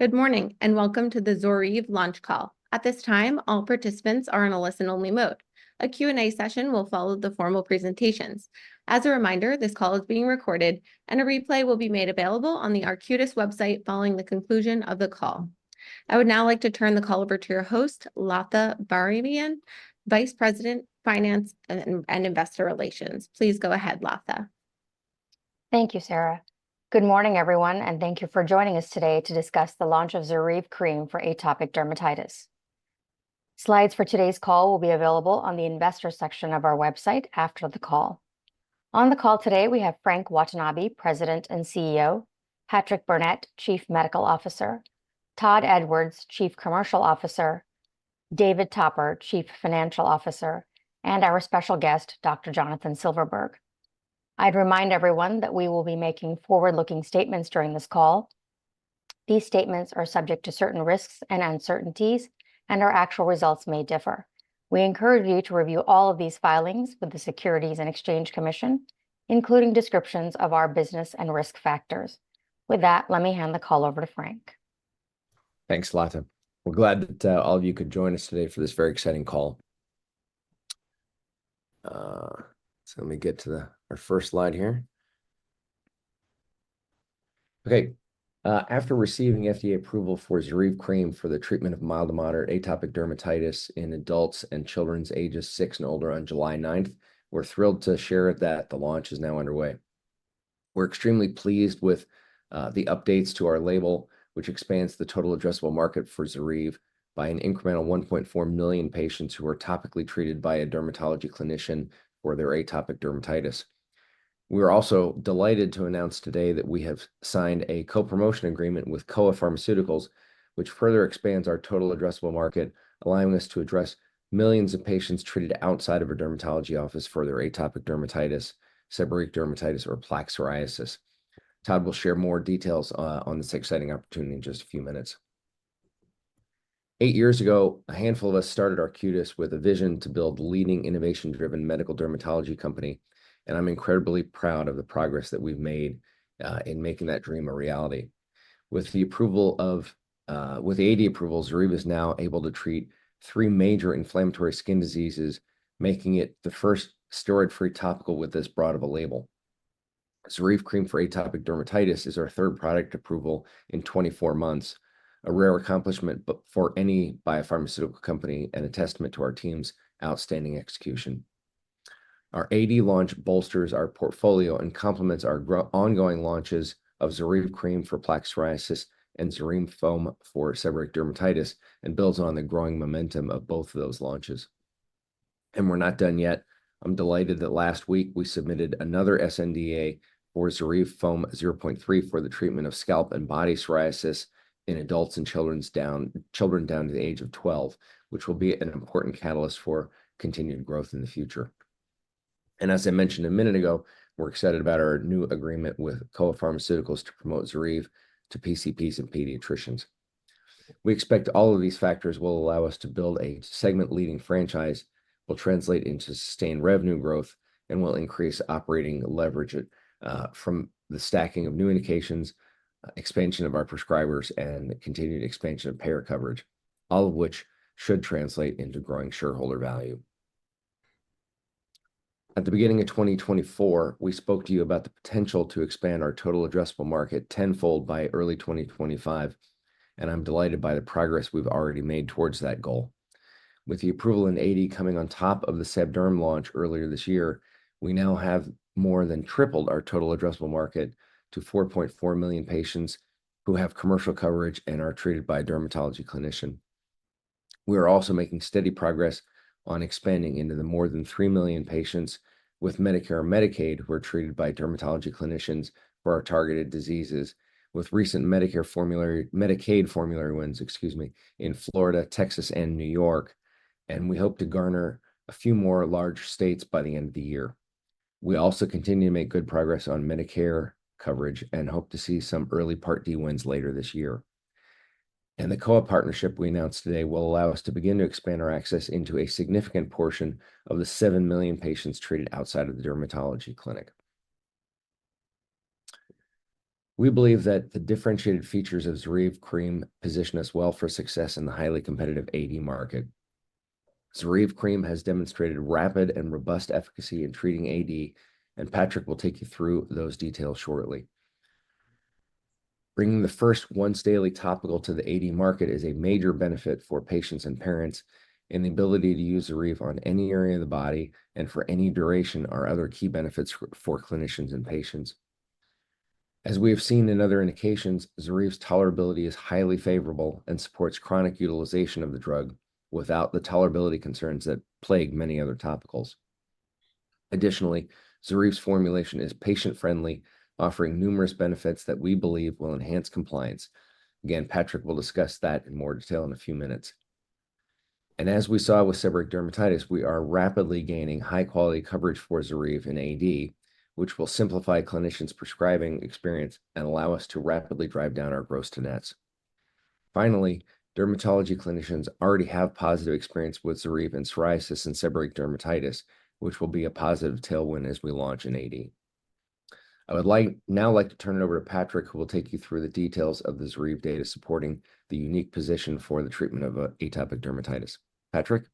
Good morning, and welcome to the ZORYVE Launch Call. At this time, all participants are in a listen-only mode. A Q&A session will follow the formal presentations. As a reminder, this call is being recorded, and a replay will be made available on the Arcutis website following the conclusion of the call. I would now like to turn the call over to your host, Latha Vairavan, Vice President, Finance and Investor Relations. Please go ahead, Latha. Thank you, Sarah. Good morning, everyone, and thank you for joining us today to discuss the launch of ZORYVE Cream for Atopic Dermatitis. Slides for today's call will be available on the Investor section of our website after the call. On the call today, we have Frank Watanabe, President and CEO, Patrick Burnett, Chief Medical Officer, Todd Edwards, Chief Commercial Officer, David Topper, Chief Financial Officer, and our special guest, Dr. Jonathan Silverberg. I'd remind everyone that we will be making forward-looking statements during this call. These statements are subject to certain risks and uncertainties, and our actual results may differ. We encourage you to review all of these filings with the Securities and Exchange Commission, including descriptions of our business and risk factors. With that, let me hand the call over to Frank. Thanks, Latha. We're glad that all of you could join us today for this very exciting call. So let me get to our first slide here. Okay. After receiving FDA approval for ZORYVE Cream for the treatment of mild to moderate atopic dermatitis in adults and children ages 6 and older on July 9, we're thrilled to share that the launch is now underway. We're extremely pleased with the updates to our label, which expands the total addressable market for ZORYVE by an increment of 1.4 million patients who are topically treated by a dermatology clinician for their atopic dermatitis. We are also delighted to announce today that we have signed a co-promotion agreement with Kowa Pharmaceuticals, which further expands our total addressable market, allowing us to address millions of patients treated outside of a dermatology office for their atopic dermatitis, seborrheic dermatitis, or plaque psoriasis. Todd will share more details on this exciting opportunity in just a few minutes. Eight years ago, a handful of us started Arcutis with a vision to build a leading innovation-driven medical dermatology company, and I'm incredibly proud of the progress that we've made in making that dream a reality. With the approval of AD approvals, ZORYVE is now able to treat three major inflammatory skin diseases, making it the first steroid-free topical with this broad of a label. ZORYVE Cream for Atopic Dermatitis is our third product approval in 24 months, a rare accomplishment for any biopharmaceutical company and a testament to our team's outstanding execution. Our AD launch bolsters our portfolio and complements our ongoing launches of ZORYVE Cream for plaque psoriasis and ZORYVE Foam for seborrheic dermatitis and builds on the growing momentum of both of those launches. We're not done yet. I'm delighted that last week we submitted another sNDA for ZORYVE Foam 0.3% for the treatment of scalp and body psoriasis in adults and children down to the age of 12, which will be an important catalyst for continued growth in the future. As I mentioned a minute ago, we're excited about our new agreement with Kowa Pharmaceuticals to promote ZORYVE to PCPs and pediatricians. We expect all of these factors will allow us to build a segment-leading franchise, will translate into sustained revenue growth, and will increase operating leverage from the stacking of new indications, expansion of our prescribers, and continued expansion of payer coverage, all of which should translate into growing shareholder value. At the beginning of 2024, we spoke to you about the potential to expand our total addressable market tenfold by early 2025, and I'm delighted by the progress we've already made towards that goal. With the approval in AD coming on top of the Sebderm launch earlier this year, we now have more than tripled our total addressable market to 4.4 million patients who have commercial coverage and are treated by a dermatology clinician. We are also making steady progress on expanding into the more than 3 million patients with Medicare and Medicaid who are treated by dermatology clinicians for our targeted diseases, with recent Medicare formulary Medicaid formulary wins, excuse me, in Florida, Texas, and New York, and we hope to garner a few more large states by the end of the year. We also continue to make good progress on Medicare coverage and hope to see some early Part D wins later this year. The Kowa partnership we announced today will allow us to begin to expand our access into a significant portion of the seven million patients treated outside of the dermatology clinic. We believe that the differentiated features of ZORYVE Cream position us well for success in the highly competitive AD market. ZORYVE Cream has demonstrated rapid and robust efficacy in treating AD, and Patrick will take you through those details shortly. Bringing the first once-daily topical to the AD market is a major benefit for patients and parents. In the ability to use ZORYVE on any area of the body and for any duration are other key benefits for clinicians and patients. As we have seen in other indications, ZORYVE's tolerability is highly favorable and supports chronic utilization of the drug without the tolerability concerns that plague many other topicals. Additionally, ZORYVE's formulation is patient-friendly, offering numerous benefits that we believe will enhance compliance. Again, Patrick will discuss that in more detail in a few minutes. As we saw with seborrheic dermatitis, we are rapidly gaining high-quality coverage for ZORYVE in AD, which will simplify clinicians' prescribing experience and allow us to rapidly drive down our gross-to-net. Finally, dermatology clinicians already have positive experience with ZORYVE in psoriasis and seborrheic dermatitis, which will be a positive tailwind as we launch in AD. I would now like to turn it over to Patrick, who will take you through the details of the ZORYVE data supporting the unique position for the treatment of atopic dermatitis. Patrick.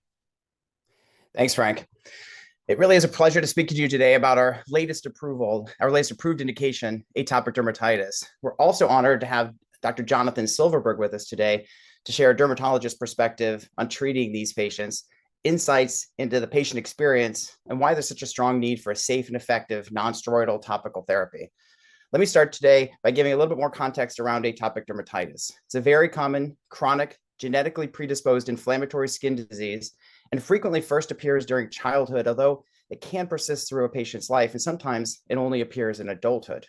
Thanks, Frank. It really is a pleasure to speak to you today about our latest approval, our latest approved indication, atopic dermatitis. We're also honored to have Dr. Jonathan Silverberg with us today to share a dermatologist's perspective on treating these patients, insights into the patient experience, and why there's such a strong need for a safe and effective non-steroidal topical therapy. Let me start today by giving a little bit more context around atopic dermatitis. It's a very common, chronic, genetically predisposed inflammatory skin disease and frequently first appears during childhood, although it can persist through a patient's life, and sometimes it only appears in adulthood.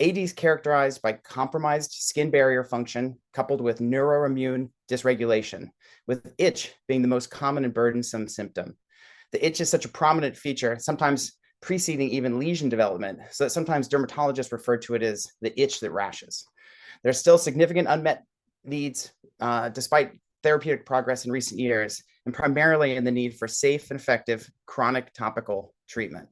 AD is characterized by compromised skin barrier function coupled with neuroimmune dysregulation, with itch being the most common and burdensome symptom. The itch is such a prominent feature, sometimes preceding even lesion development, so that sometimes dermatologists refer to it as the itch that rashes. There are still significant unmet needs despite therapeutic progress in recent years, and primarily in the need for safe and effective chronic topical treatment.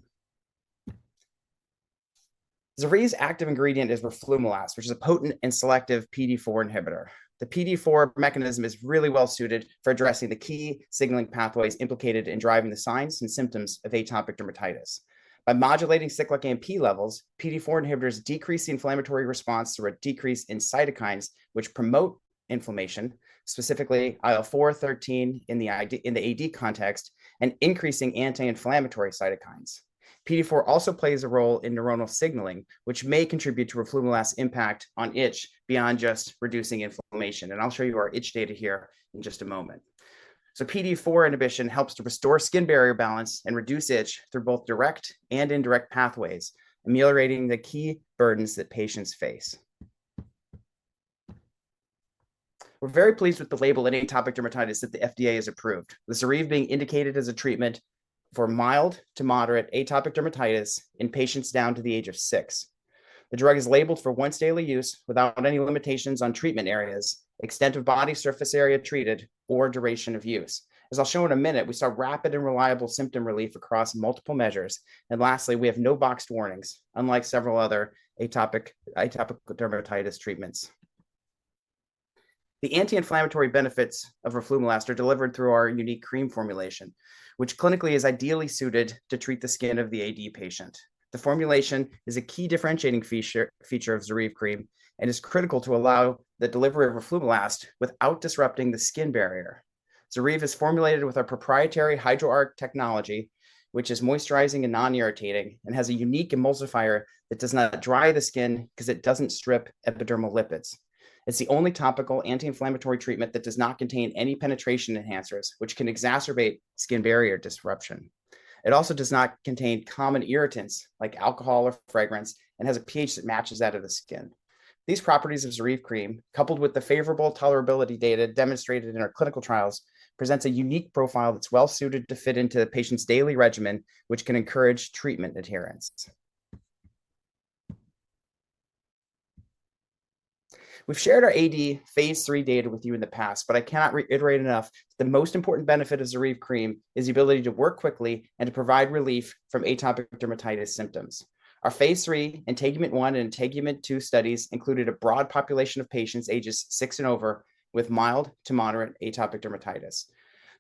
ZORYVE's active ingredient is roflumilast, which is a potent and selective PDE-4 inhibitor. The PDE-4 mechanism is really well-suited for addressing the key signaling pathways implicated in driving the signs and symptoms of atopic dermatitis. By modulating cyclic AMP levels, PDE-4 inhibitors decrease the inflammatory response through a decrease in cytokines, which promote inflammation, specifically IL-4/13 in the AD context, and increasing anti-inflammatory cytokines. PDE-4 also plays a role in neuronal signaling, which may contribute to roflumilast's impact on itch beyond just reducing inflammation, and I'll show you our itch data here in just a moment. So PDE-4 inhibition helps to restore skin barrier balance and reduce itch through both direct and indirect pathways, ameliorating the key burdens that patients face. We're very pleased with the label in atopic dermatitis that the FDA has approved, with ZORYVE being indicated as a treatment for mild to moderate atopic dermatitis in patients down to the age of 6. The drug is labeled for once-daily use without any limitations on treatment areas, extent of body surface area treated, or duration of use. As I'll show in a minute, we saw rapid and reliable symptom relief across multiple measures, and lastly, we have no boxed warnings, unlike several other atopic dermatitis treatments. The anti-inflammatory benefits of roflumilast are delivered through our unique cream formulation, which clinically is ideally suited to treat the skin of the AD patient. The formulation is a key differentiating feature of ZORYVE Cream and is critical to allow the delivery of roflumilast without disrupting the skin barrier. ZORYVE is formulated with our proprietary HydroARQ technology, which is moisturizing and non-irritating and has a unique emulsifier that does not dry the skin because it doesn't strip epidermal lipids. It's the only topical anti-inflammatory treatment that does not contain any penetration enhancers, which can exacerbate skin barrier disruption. It also does not contain common irritants like alcohol or fragrance and has a pH that matches that of the skin. These properties of ZORYVE Cream, coupled with the favorable tolerability data demonstrated in our clinical trials, present a unique profile that's well-suited to fit into the patient's daily regimen, which can encourage treatment adherence. We've shared our AD phase 3 data with you in the past, but I cannot reiterate enough that the most important benefit of ZORYVE Cream is the ability to work quickly and to provide relief from atopic dermatitis symptoms. Our phase 3, INTEGUMENT-1, and INTEGUMENT-2 studies included a broad population of patients ages six and over with mild to moderate atopic dermatitis.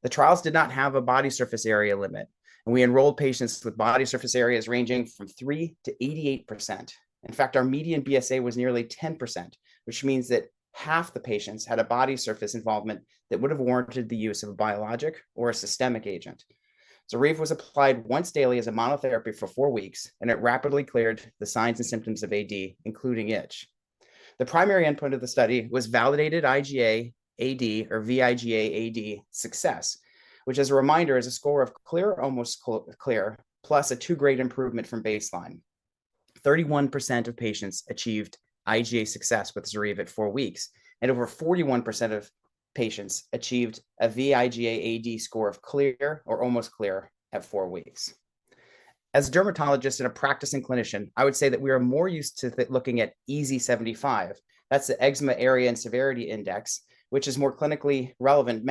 The trials did not have a body surface area limit, and we enrolled patients with body surface areas ranging from three to 88%. In fact, our median BSA was nearly 10%, which means that half the patients had a body surface involvement that would have warranted the use of a biologic or a systemic agent. ZORYVE was applied once daily as a monotherapy for four weeks, and it rapidly cleared the signs and symptoms of AD, including itch. The primary endpoint of the study was validated IGA-AD or vIGA-AD success, which, as a reminder, is a score of clear or almost clear, plus a two-grade improvement from baseline. 31% of patients achieved IGA success with ZORYVE at four weeks, and over 41% of patients achieved a vIGA-AD score of clear or almost clear at four weeks. As a dermatologist and a practicing clinician, I would say that we are more used to looking at EASI-75. That's the eczema area and severity index, which is more clinically relevant,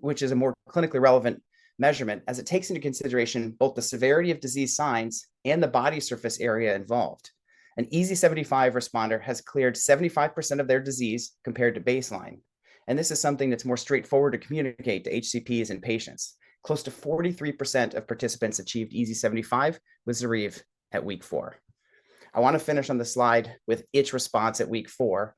which is a more clinically relevant measurement as it takes into consideration both the severity of disease signs and the body surface area involved. An EASI-75 responder has cleared 75% of their disease compared to baseline, and this is something that's more straightforward to communicate to HCPs and patients. Close to 43% of participants achieved EASI-75 with ZORYVE at week four. I want to finish on the slide with itch response at week four,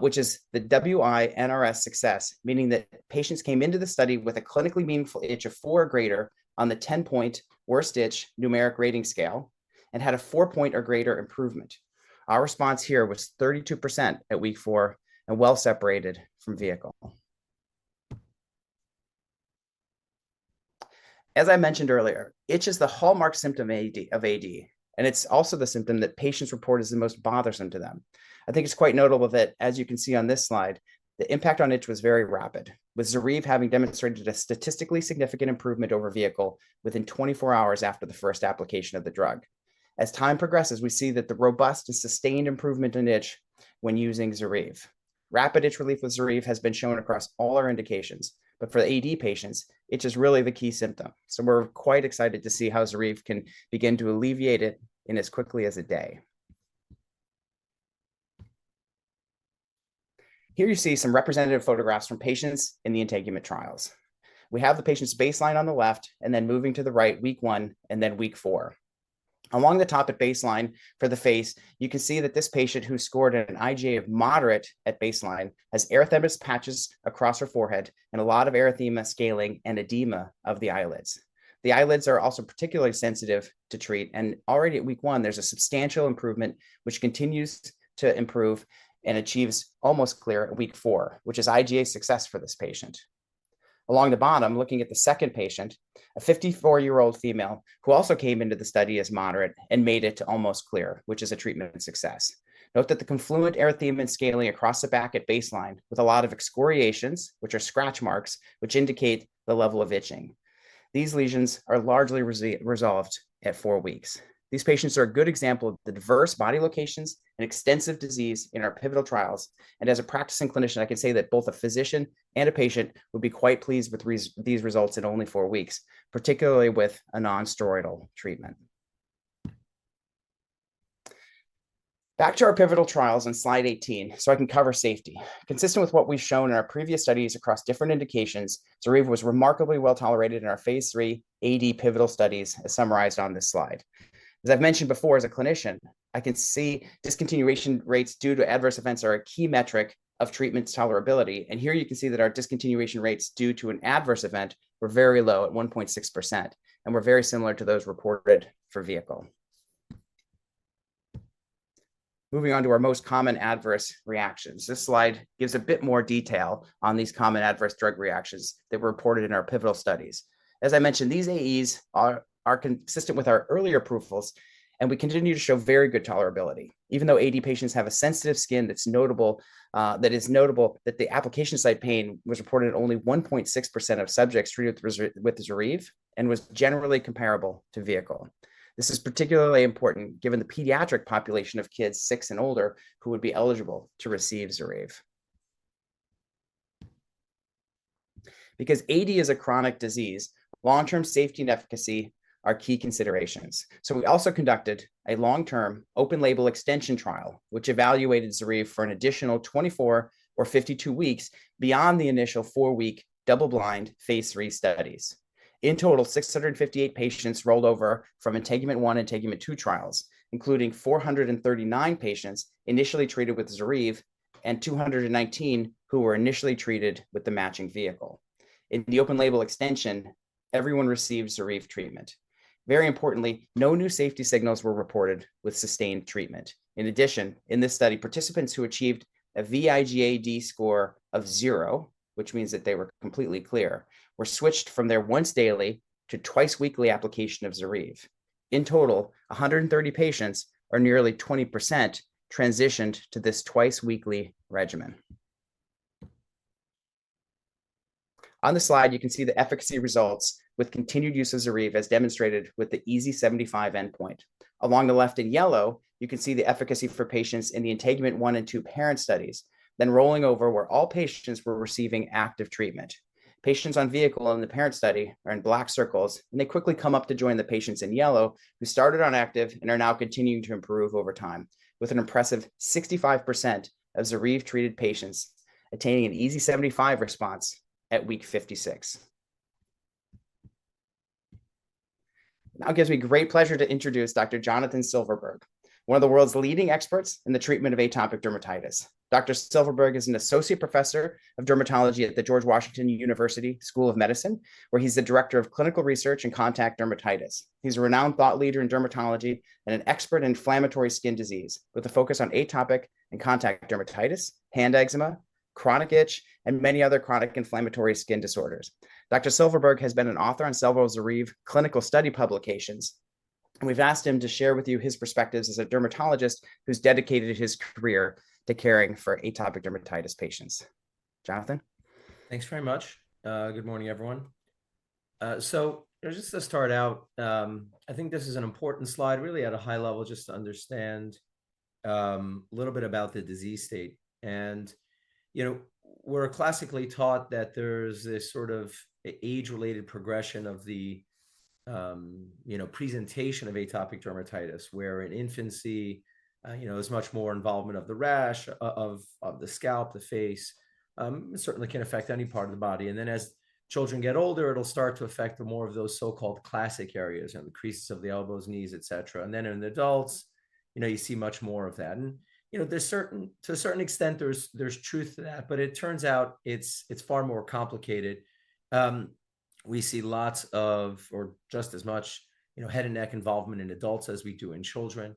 which is the WI-NRS success, meaning that patients came into the study with a clinically meaningful itch of four or greater on the 10-point worst itch numeric rating scale and had a four-point or greater improvement. Our response here was 32% at week four and well separated from vehicle. As I mentioned earlier, itch is the hallmark symptom of AD, and it's also the symptom that patients report as the most bothersome to them. I think it's quite notable that, as you can see on this slide, the impact on itch was very rapid, with ZORYVE having demonstrated a statistically significant improvement over vehicle within 24 hours after the first application of the drug. As time progresses, we see that the robust and sustained improvement in itch when using ZORYVE. Rapid itch relief with ZORYVE has been shown across all our indications, but for the AD patients, itch is really the key symptom, so we're quite excited to see how ZORYVE can begin to alleviate it in as quickly as a day. Here you see some representative photographs from patients in the INTEGUMENT trials. We have the patient's baseline on the left and then moving to the right week 1 and then week 4. Along the top at baseline for the face, you can see that this patient who scored an IGA of moderate at baseline has erythematous patches across her forehead and a lot of erythema scaling and edema of the eyelids. The eyelids are also particularly sensitive to treat, and already at week 1, there's a substantial improvement, which continues to improve and achieves almost clear at week 4, which is IGA success for this patient. Along the bottom, looking at the second patient, a 54-year-old female who also came into the study as moderate and made it to almost clear, which is a treatment success. Note that the confluent erythema and scaling across the back at baseline with a lot of excoriations, which are scratch marks, which indicate the level of itching. These lesions are largely resolved at 4 weeks. These patients are a good example of the diverse body locations and extensive disease in our pivotal trials, and as a practicing clinician, I can say that both a physician and a patient would be quite pleased with these results in only 4 weeks, particularly with a non-steroidal treatment. Back to our pivotal trials on slide 18 so I can cover safety. Consistent with what we've shown in our previous studies across different indications, ZORYVE was remarkably well tolerated in our phase 3 AD pivotal studies, as summarized on this slide. As I've mentioned before, as a clinician, I can see discontinuation rates due to adverse events are a key metric of treatment tolerability, and here you can see that our discontinuation rates due to an adverse event were very low at 1.6%, and were very similar to those reported for vehicle. Moving on to our most common adverse reactions, this slide gives a bit more detail on these common adverse drug reactions that were reported in our pivotal studies. As I mentioned, these AEs are consistent with our earlier proofs, and we continue to show very good tolerability, even though AD patients have a sensitive skin that's notable that the application site pain was reported at only 1.6% of subjects treated with ZORYVE and was generally comparable to vehicle. This is particularly important given the pediatric population of kids six and older who would be eligible to receive ZORYVE. Because AD is a chronic disease, long-term safety and efficacy are key considerations, so we also conducted a long-term open-label extension trial, which evaluated ZORYVE for an additional 24 or 52 weeks beyond the initial four-week double-blind phase 3 studies. In total, 658 patients rolled over from INTEGUMENT-1, INTEGUMENT-2 trials, including 439 patients initially treated with ZORYVE and 219 who were initially treated with the matching vehicle. In the open-label extension, everyone received ZORYVE treatment. Very importantly, no new safety signals were reported with sustained treatment. In addition, in this study, participants who achieved a vIGA-AD score of zero, which means that they were completely clear, were switched from their once daily to twice weekly application of ZORYVE. In total, 130 patients, or nearly 20%, transitioned to this twice weekly regimen. On the slide, you can see the efficacy results with continued use of ZORYVE, as demonstrated with the EASI-75 endpoint. Along the left in yellow, you can see the efficacy for patients in the INTEGUMENT-1 and INTEGUMENT-2 parent studies, then rolling over where all patients were receiving active treatment. Patients on vehicle in the parent study are in black circles, and they quickly come up to join the patients in yellow who started on active and are now continuing to improve over time, with an impressive 65% of ZORYVE-treated patients attaining an EASI-75 response at week 56. Now it gives me great pleasure to introduce Dr. Jonathan Silverberg, one of the world's leading experts in the treatment of atopic dermatitis. Dr. Silverberg is an associate professor of dermatology at the George Washington University School of Medicine, where he's the director of clinical research and contact dermatitis. He's a renowned thought leader in dermatology and an expert in inflammatory skin disease with a focus on atopic and contact dermatitis, hand eczema, chronic itch, and many other chronic inflammatory skin disorders. Dr. Silverberg has been an author on several ZORYVE clinical study publications, and we've asked him to share with you his perspectives as a dermatologist who's dedicated his career to caring for atopic dermatitis patients. Jonathan? Thanks very much. Good morning, everyone. So just to start out, I think this is an important slide, really at a high level, just to understand a little bit about the disease state. We're classically taught that there's this sort of age-related progression of the presentation of atopic dermatitis, where in infancy, there's much more involvement of the rash, of the scalp, the face. It certainly can affect any part of the body. Then as children get older, it'll start to affect more of those so-called classic areas, in the creases of the elbows, knees, etc. Then in adults, you see much more of that. To a certain extent, there's truth to that, but it turns out it's far more complicated. We see lots of, or just as much, head and neck involvement in adults as we do in children.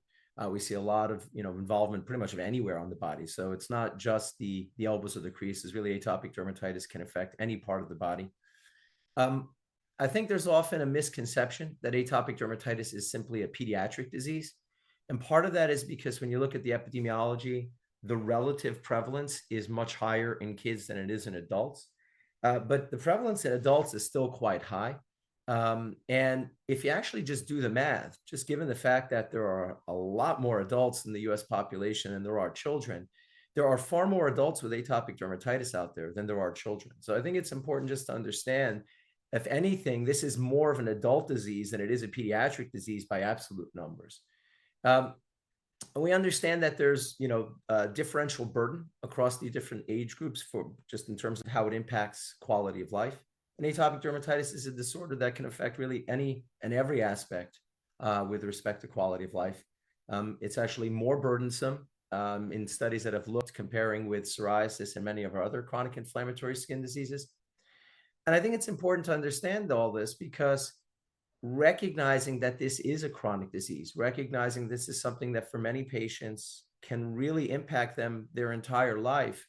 We see a lot of involvement pretty much of anywhere on the body, so it's not just the elbows or the creases. Really, atopic dermatitis can affect any part of the body. I think there's often a misconception that atopic dermatitis is simply a pediatric disease, and part of that is because when you look at the epidemiology, the relative prevalence is much higher in kids than it is in adults, but the prevalence in adults is still quite high. If you actually just do the math, just given the fact that there are a lot more adults in the U.S. population than there are children, there are far more adults with atopic dermatitis out there than there are children. I think it's important just to understand, if anything, this is more of an adult disease than it is a pediatric disease by absolute numbers. We understand that there's differential burden across the different age groups just in terms of how it impacts quality of life. Atopic dermatitis is a disorder that can affect really any and every aspect with respect to quality of life. It's actually more burdensome in studies that have looked comparing with psoriasis and many of our other chronic inflammatory skin diseases. I think it's important to understand all this because recognizing that this is a chronic disease, recognizing this is something that for many patients can really impact them their entire life,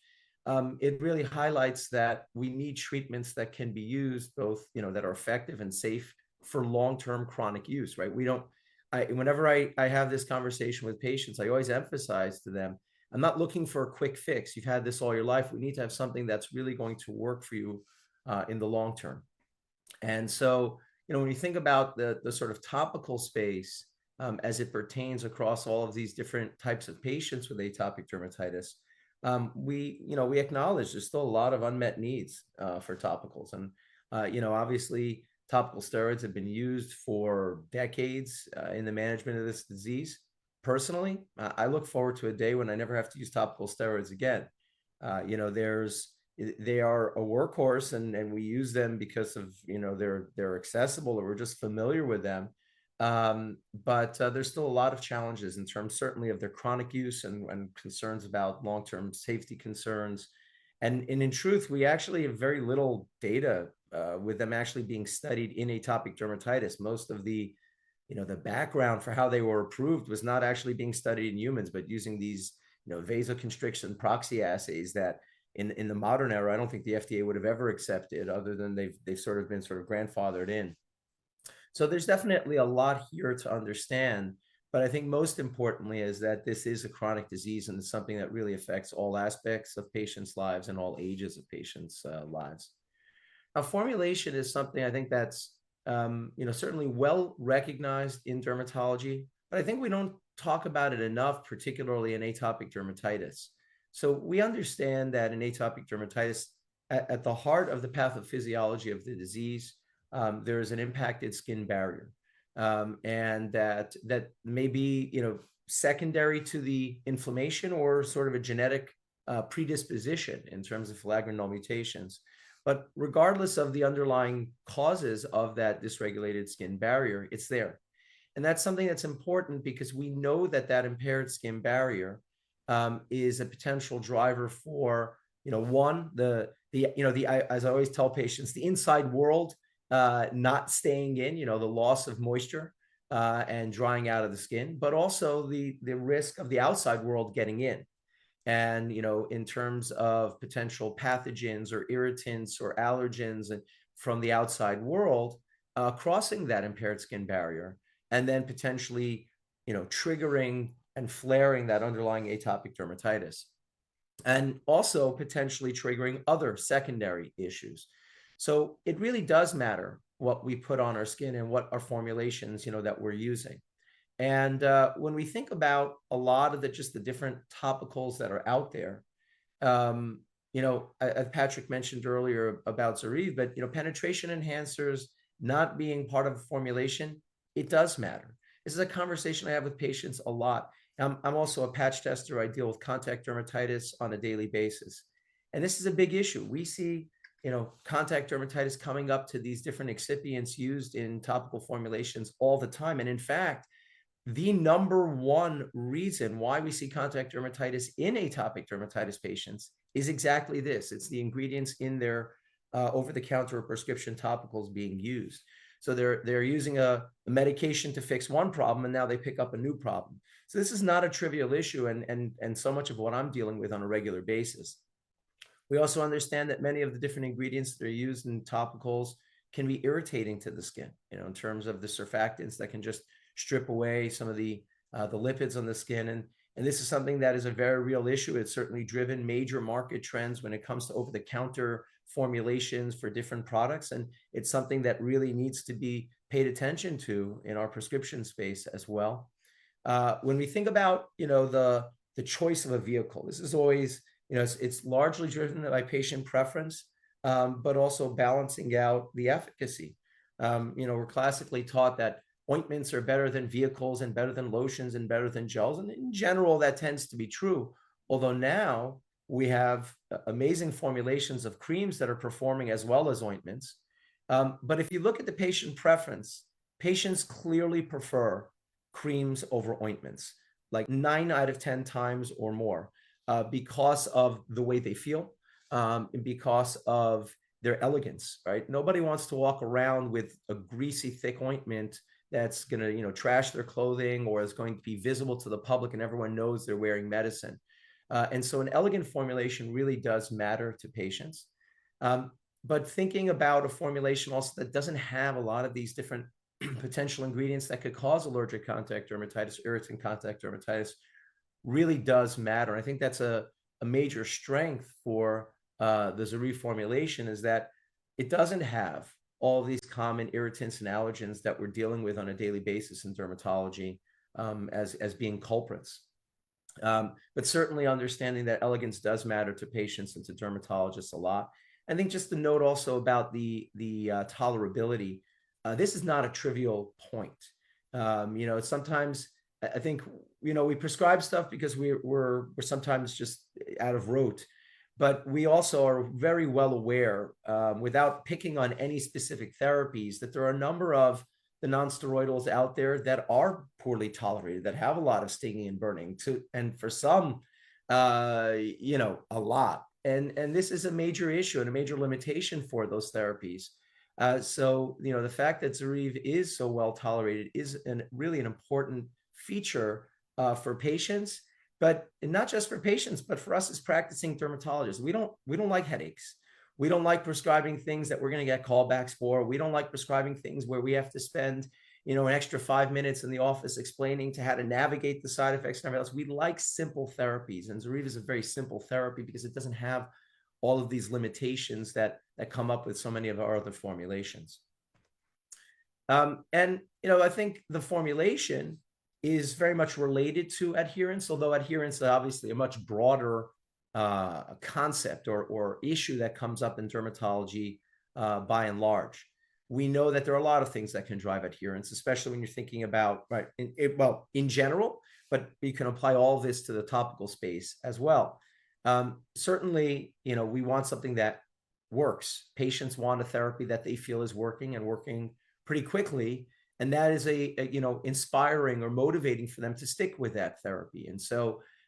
it really highlights that we need treatments that can be used both that are effective and safe for long-term chronic use. Whenever I have this conversation with patients, I always emphasize to them, "I'm not looking for a quick fix. You've had this all your life. We need to have something that's really going to work for you in the long term." So when you think about the sort of topical space as it pertains across all of these different types of patients with atopic dermatitis, we acknowledge there's still a lot of unmet needs for topicals. Obviously, topical steroids have been used for decades in the management of this disease. Personally, I look forward to a day when I never have to use topical steroids again. They are a workhorse, and we use them because they're accessible or we're just familiar with them. But there's still a lot of challenges in terms certainly of their chronic use and concerns about long-term safety concerns. And in truth, we actually have very little data with them actually being studied in atopic dermatitis. Most of the background for how they were approved was not actually being studied in humans, but using these vasoconstriction proxy assays that in the modern era, I don't think the FDA would have ever accepted other than they've sort of been sort of grandfathered in. So there's definitely a lot here to understand, but I think most importantly is that this is a chronic disease and it's something that really affects all aspects of patients' lives and all ages of patients' lives. Now, formulation is something I think that's certainly well recognized in dermatology, but I think we don't talk about it enough, particularly in atopic dermatitis. So we understand that in atopic dermatitis, at the heart of the pathophysiology of the disease, there is an impacted skin barrier and that may be secondary to the inflammation or sort of a genetic predisposition in terms of filaggrin mutations. But regardless of the underlying causes of that dysregulated skin barrier, it's there. And that's something that's important because we know that that impaired skin barrier is a potential driver for, one, as I always tell patients, the inside world not staying in, the loss of moisture and drying out of the skin, but also the risk of the outside world getting in. And in terms of potential pathogens or irritants or allergens from the outside world crossing that impaired skin barrier and then potentially triggering and flaring that underlying atopic dermatitis and also potentially triggering other secondary issues. So it really does matter what we put on our skin and what our formulations that we're using. And when we think about a lot of just the different topicals that are out there, as Patrick mentioned earlier about ZORYVE, but penetration enhancers not being part of a formulation, it does matter. This is a conversation I have with patients a lot. I'm also a patch tester. I deal with contact dermatitis on a daily basis. This is a big issue. We see contact dermatitis coming up to these different excipients used in topical formulations all the time. And in fact, the number one reason why we see contact dermatitis in atopic dermatitis patients is exactly this. It's the ingredients in their over-the-counter or prescription topicals being used. So they're using a medication to fix one problem, and now they pick up a new problem. So this is not a trivial issue and so much of what I'm dealing with on a regular basis. We also understand that many of the different ingredients that are used in topicals can be irritating to the skin in terms of the surfactants that can just strip away some of the lipids on the skin. This is something that is a very real issue. It's certainly driven major market trends when it comes to over-the-counter formulations for different products, and it's something that really needs to be paid attention to in our prescription space as well. When we think about the choice of a vehicle, this is always largely driven by patient preference, but also balancing out the efficacy. We're classically taught that ointments are better than vehicles and better than lotions and better than gels. In general, that tends to be true, although now we have amazing formulations of creams that are performing as well as ointments. If you look at the patient preference, patients clearly prefer creams over ointments, like 9 out of 10 times or more because of the way they feel and because of their elegance. Nobody wants to walk around with a greasy, thick ointment that's going to trash their clothing or is going to be visible to the public and everyone knows they're wearing medicine. So an elegant formulation really does matter to patients. Thinking about a formulation also that doesn't have a lot of these different potential ingredients that could cause allergic contact dermatitis, irritant contact dermatitis really does matter. I think that's a major strength for the ZORYVE formulation is that it doesn't have all these common irritants and allergens that we're dealing with on a daily basis in dermatology as being culprits. Certainly understanding that elegance does matter to patients and to dermatologists a lot. I think just to note also about the tolerability, this is not a trivial point. Sometimes I think we prescribe stuff because we're sometimes just out of route, but we also are very well aware, without picking on any specific therapies, that there are a number of the non-steroidals out there that are poorly tolerated, that have a lot of stinging and burning, and for some, a lot. And this is a major issue and a major limitation for those therapies. So the fact that ZORYVE is so well tolerated is really an important feature for patients, but not just for patients, but for us as practicing dermatologists. We don't like headaches. We don't like prescribing things that we're going to get callbacks for. We don't like prescribing things where we have to spend an extra five minutes in the office explaining how to navigate the side effects and everything else. We like simple therapies, and ZORYVE is a very simple therapy because it doesn't have all of these limitations that come up with so many of our other formulations. And I think the formulation is very much related to adherence, although adherence is obviously a much broader concept or issue that comes up in dermatology by and large. We know that there are a lot of things that can drive adherence, especially when you're thinking about, well, in general, but you can apply all this to the topical space as well. Certainly, we want something that works. Patients want a therapy that they feel is working and working pretty quickly, and that is inspiring or motivating for them to stick with that therapy. And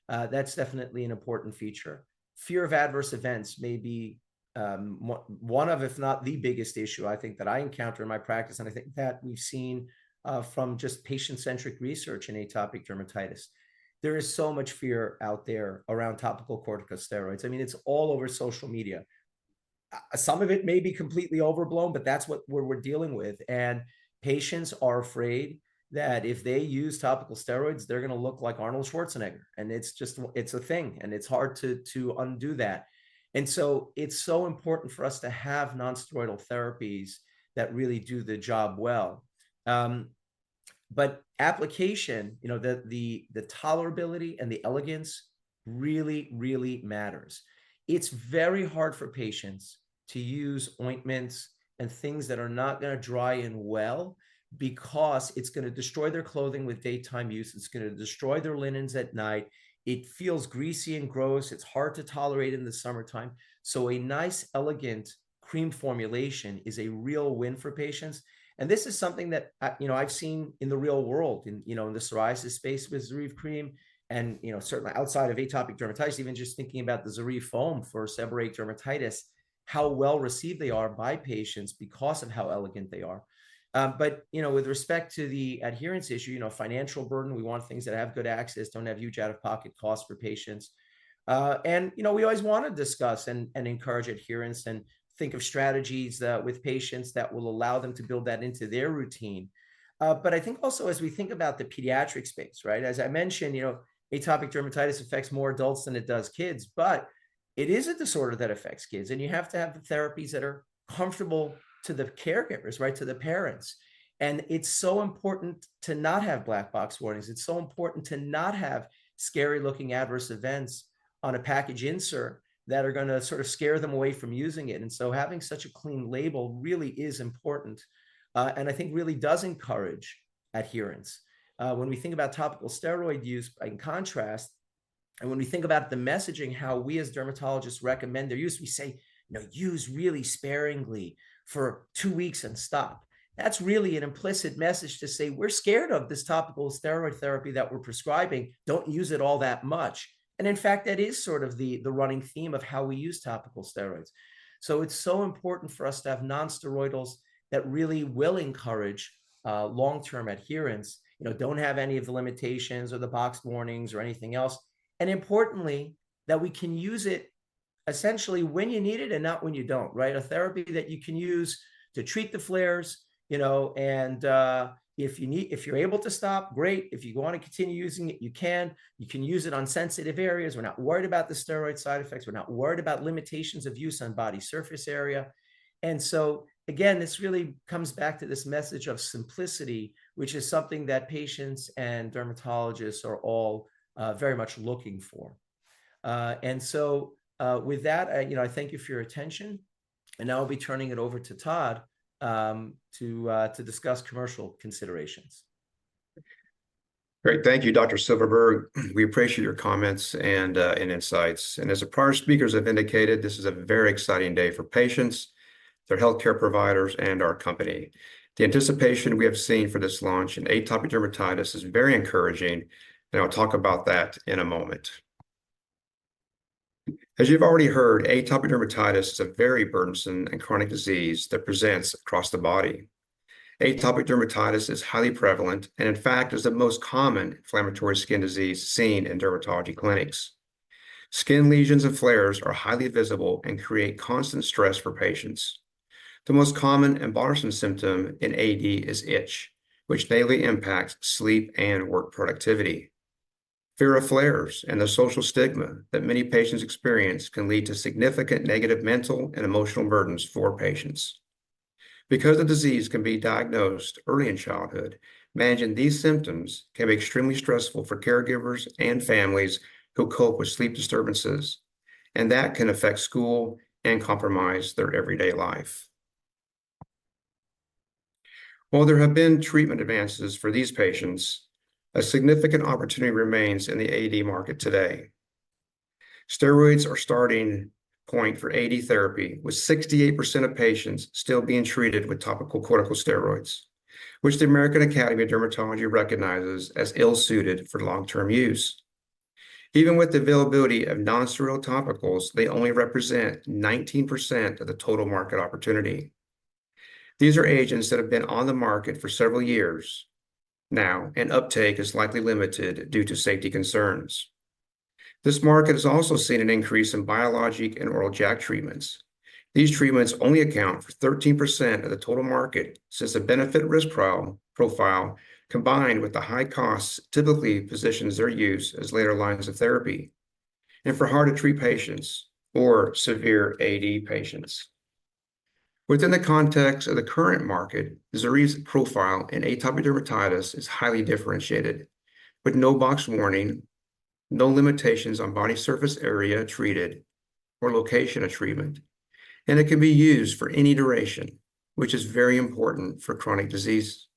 so that's definitely an important feature. Fear of adverse events may be one of, if not the biggest issue I think that I encounter in my practice, and I think that we've seen from just patient-centric research in atopic dermatitis. There is so much fear out there around topical corticosteroids. I mean, it's all over social media. Some of it may be completely overblown, but that's what we're dealing with. Patients are afraid that if they use topical steroids, they're going to look like Arnold Schwarzenegger. It's a thing, and it's hard to undo that. So it's so important for us to have non-steroidal therapies that really do the job well. But application, the tolerability and the elegance really, really matters. It's very hard for patients to use ointments and things that are not going to dry in well because it's going to destroy their clothing with daytime use. It's going to destroy their linens at night. It feels greasy and gross. It's hard to tolerate in the summertime. So a nice, elegant cream formulation is a real win for patients. And this is something that I've seen in the real world, in the psoriasis space with ZORYVE Cream and certainly outside of atopic dermatitis, even just thinking about the ZORYVE Foam for seborrheic dermatitis, how well received they are by patients because of how elegant they are. But with respect to the adherence issue, financial burden, we want things that have good access, don't have huge out-of-pocket costs for patients. And we always want to discuss and encourage adherence and think of strategies with patients that will allow them to build that into their routine. But I think also as we think about the pediatric space, as I mentioned, atopic dermatitis affects more adults than it does kids, but it is a disorder that affects kids, and you have to have the therapies that are comfortable to the caregivers, to the parents. And it's so important to not have black box warnings. It's so important to not have scary-looking adverse events on a package insert that are going to sort of scare them away from using it. And so having such a clean label really is important and I think really does encourage adherence. When we think about topical steroid use, in contrast, and when we think about the messaging, how we as dermatologists recommend, there used to be, say, "Now use really sparingly for two weeks and stop." That's really an implicit message to say, "We're scared of this topical steroid therapy that we're prescribing. Don't use it all that much." In fact, that is sort of the running theme of how we use topical steroids. It's so important for us to have non-steroidals that really will encourage long-term adherence, don't have any of the limitations or the box warnings or anything else. Importantly, we can use it essentially when you need it and not when you don't, a therapy that you can use to treat the flares. If you're able to stop, great. If you want to continue using it, you can. You can use it on sensitive areas. We're not worried about the steroid side effects. We're not worried about limitations of use on body surface area. And so again, this really comes back to this message of simplicity, which is something that patients and dermatologists are all very much looking for. And so with that, I thank you for your attention. And now I'll be turning it over to Todd to discuss commercial considerations. Great. Thank you, Dr. Silverberg. We appreciate your comments and insights. As our prior speakers have indicated, this is a very exciting day for patients, their healthcare providers, and our company. The anticipation we have seen for this launch in atopic dermatitis is very encouraging, and I'll talk about that in a moment. As you've already heard, atopic dermatitis is a very burdensome and chronic disease that presents across the body. Atopic dermatitis is highly prevalent and in fact is the most common inflammatory skin disease seen in dermatology clinics. Skin lesions and flares are highly visible and create constant stress for patients. The most common and bothersome symptom in AD is itch, which daily impacts sleep and work productivity. Fear of flares and the social stigma that many patients experience can lead to significant negative mental and emotional burdens for patients. Because the disease can be diagnosed early in childhood, managing these symptoms can be extremely stressful for caregivers and families who cope with sleep disturbances, and that can affect school and compromise their everyday life. While there have been treatment advances for these patients, a significant opportunity remains in the AD market today. Steroids are starting point for AD therapy with 68% of patients still being treated with topical corticosteroids, which the American Academy of Dermatology recognizes as ill-suited for long-term use. Even with the availability of non-steroidal topicals, they only represent 19% of the total market opportunity. These are agents that have been on the market for several years. Now, an uptake is likely limited due to safety concerns. This market has also seen an increase in biologic and oral JAK treatments. These treatments only account for 13% of the total market since the benefit-risk profile combined with the high costs typically positions their use as later lines of therapy and for hard-to-treat patients or severe AD patients. Within the context of the current market, the ZORYVE profile in atopic dermatitis is highly differentiated with no box warning, no limitations on body surface area treated or location of treatment, and it can be used for any duration, which is very important for chronic disease.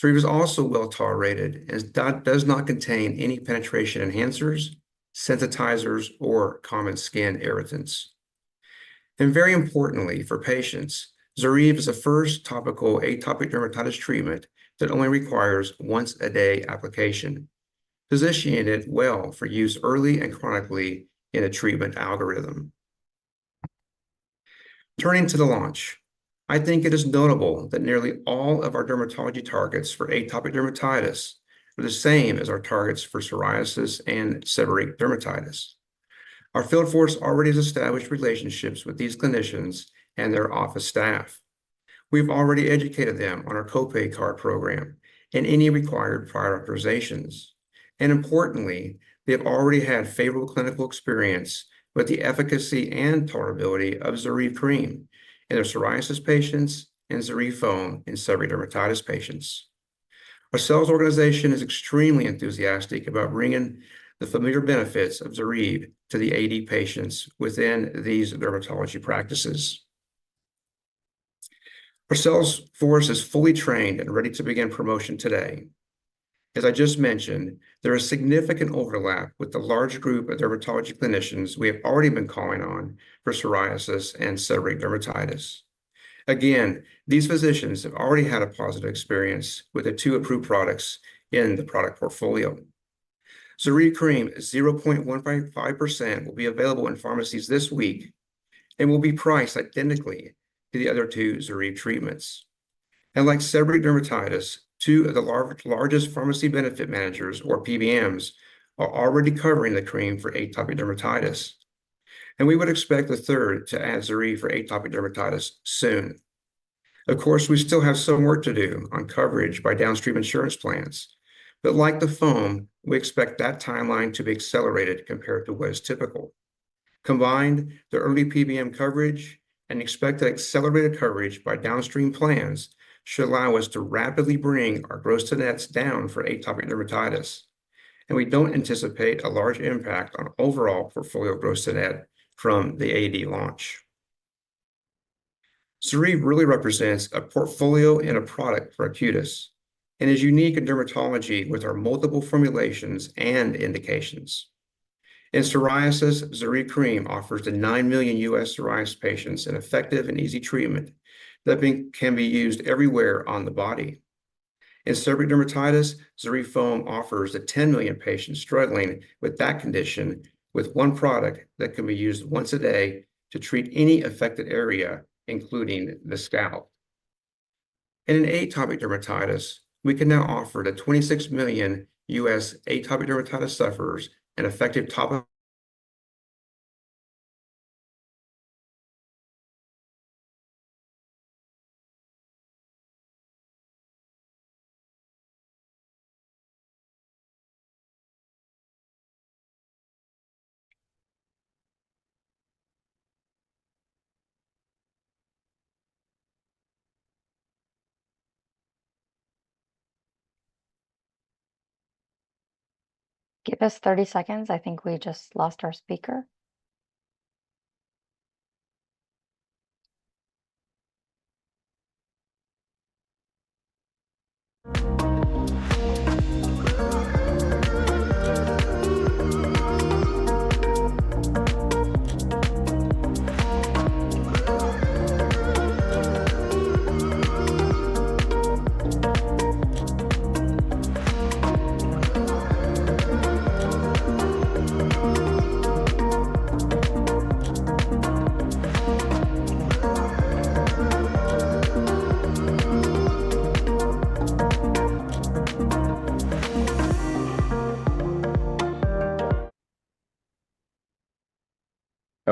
ZORYVE is also well tolerated and does not contain any penetration enhancers, sensitizers, or common skin irritants. Very importantly for patients, ZORYVE is a first topical atopic dermatitis treatment that only requires once-a-day application. Positioning it well for use early and chronically in a treatment algorithm. Turning to the launch, I think it is notable that nearly all of our dermatology targets for atopic dermatitis are the same as our targets for psoriasis and seborrheic dermatitis. Our field force already has established relationships with these clinicians and their office staff. We've already educated them on our copay card program and any required prior authorizations. And importantly, they've already had favorable clinical experience with the efficacy and tolerability of ZORYVE cream in their psoriasis patients and ZORYVE foam in seborrheic dermatitis patients. Our sales organization is extremely enthusiastic about bringing the familiar benefits of ZORYVE to the AD patients within these dermatology practices. Our sales force is fully trained and ready to begin promotion today. As I just mentioned, there is significant overlap with the large group of dermatology clinicians we have already been calling on for psoriasis and seborrheic dermatitis. Again, these physicians have already had a positive experience with the two approved products in the product portfolio. ZORYVE Cream 0.15% will be available in pharmacies this week and will be priced identically to the other two ZORYVE treatments. And like seborrheic dermatitis, two of the largest pharmacy benefit managers, or PBMs, are already covering the cream for atopic dermatitis. And we would expect the third to add ZORYVE for atopic dermatitis soon. Of course, we still have some work to do on coverage by downstream insurance plans. But like the foam, we expect that timeline to be accelerated compared to what is typical. Combined, the early PBM coverage and expected accelerated coverage by downstream plans should allow us to rapidly bring our gross to nets down for atopic dermatitis. And we don't anticipate a large impact on overall portfolio gross to net from the AD launch. ZORYVE really represents a portfolio and a product for Arcutis and is unique in dermatology with our multiple formulations and indications. In psoriasis, ZORYVE Cream offers the 9 million U.S. psoriasis patients an effective and easy treatment that can be used everywhere on the body. In seborrheic dermatitis, ZORYVE Foam offers the 10 million patients struggling with that condition with one product that can be used once a day to treat any affected area, including the scalp. And in atopic dermatitis, we can now offer the 26 million U.S. atopic dermatitis sufferers an effective topical. Give us 30 seconds. I think we just lost our speaker.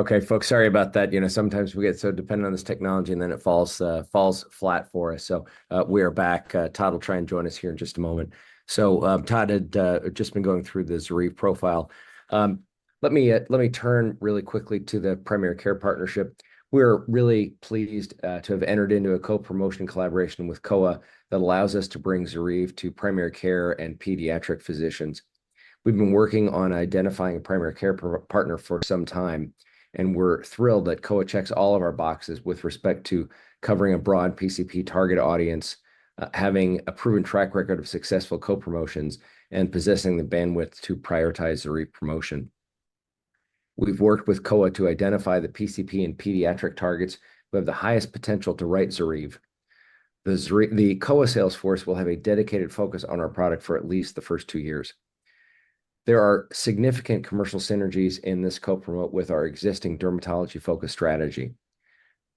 Okay, folks, sorry about that. Sometimes we get so dependent on this technology, and then it falls flat for us. So we are back. Todd will try and join us here in just a moment. So Todd had just been going through the ZORYVE profile. Let me turn really quickly to the primary care partnership. We are really pleased to have entered into a co-promotion collaboration with Kowa that allows us to bring ZORYVE to primary care and pediatric physicians. We've been working on identifying a primary care partner for some time, and we're thrilled that Kowa checks all of our boxes with respect to covering a broad PCP target audience, having a proven track record of successful co-promotions, and possessing the bandwidth to prioritize ZORYVE promotion. We've worked with Kowa to identify the PCP and pediatric targets who have the highest potential to write ZORYVE. The Kowa sales force will have a dedicated focus on our product for at least the first two years. There are significant commercial synergies in this co-promote with our existing dermatology-focused strategy.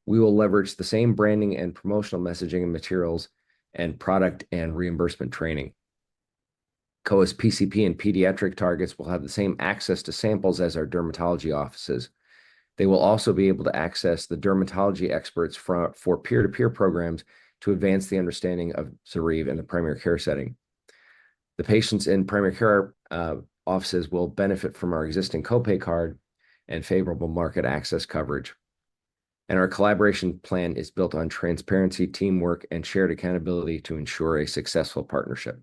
We will leverage the same branding and promotional messaging and materials and product and reimbursement training. Kowa's PCP and pediatric targets will have the same access to samples as our dermatology offices. They will also be able to access the dermatology experts for peer-to-peer programs to advance the understanding of ZORYVE in the primary care setting. The patients in primary care offices will benefit from our existing copay card and favorable market access coverage. Our collaboration plan is built on transparency, teamwork, and shared accountability to ensure a successful partnership.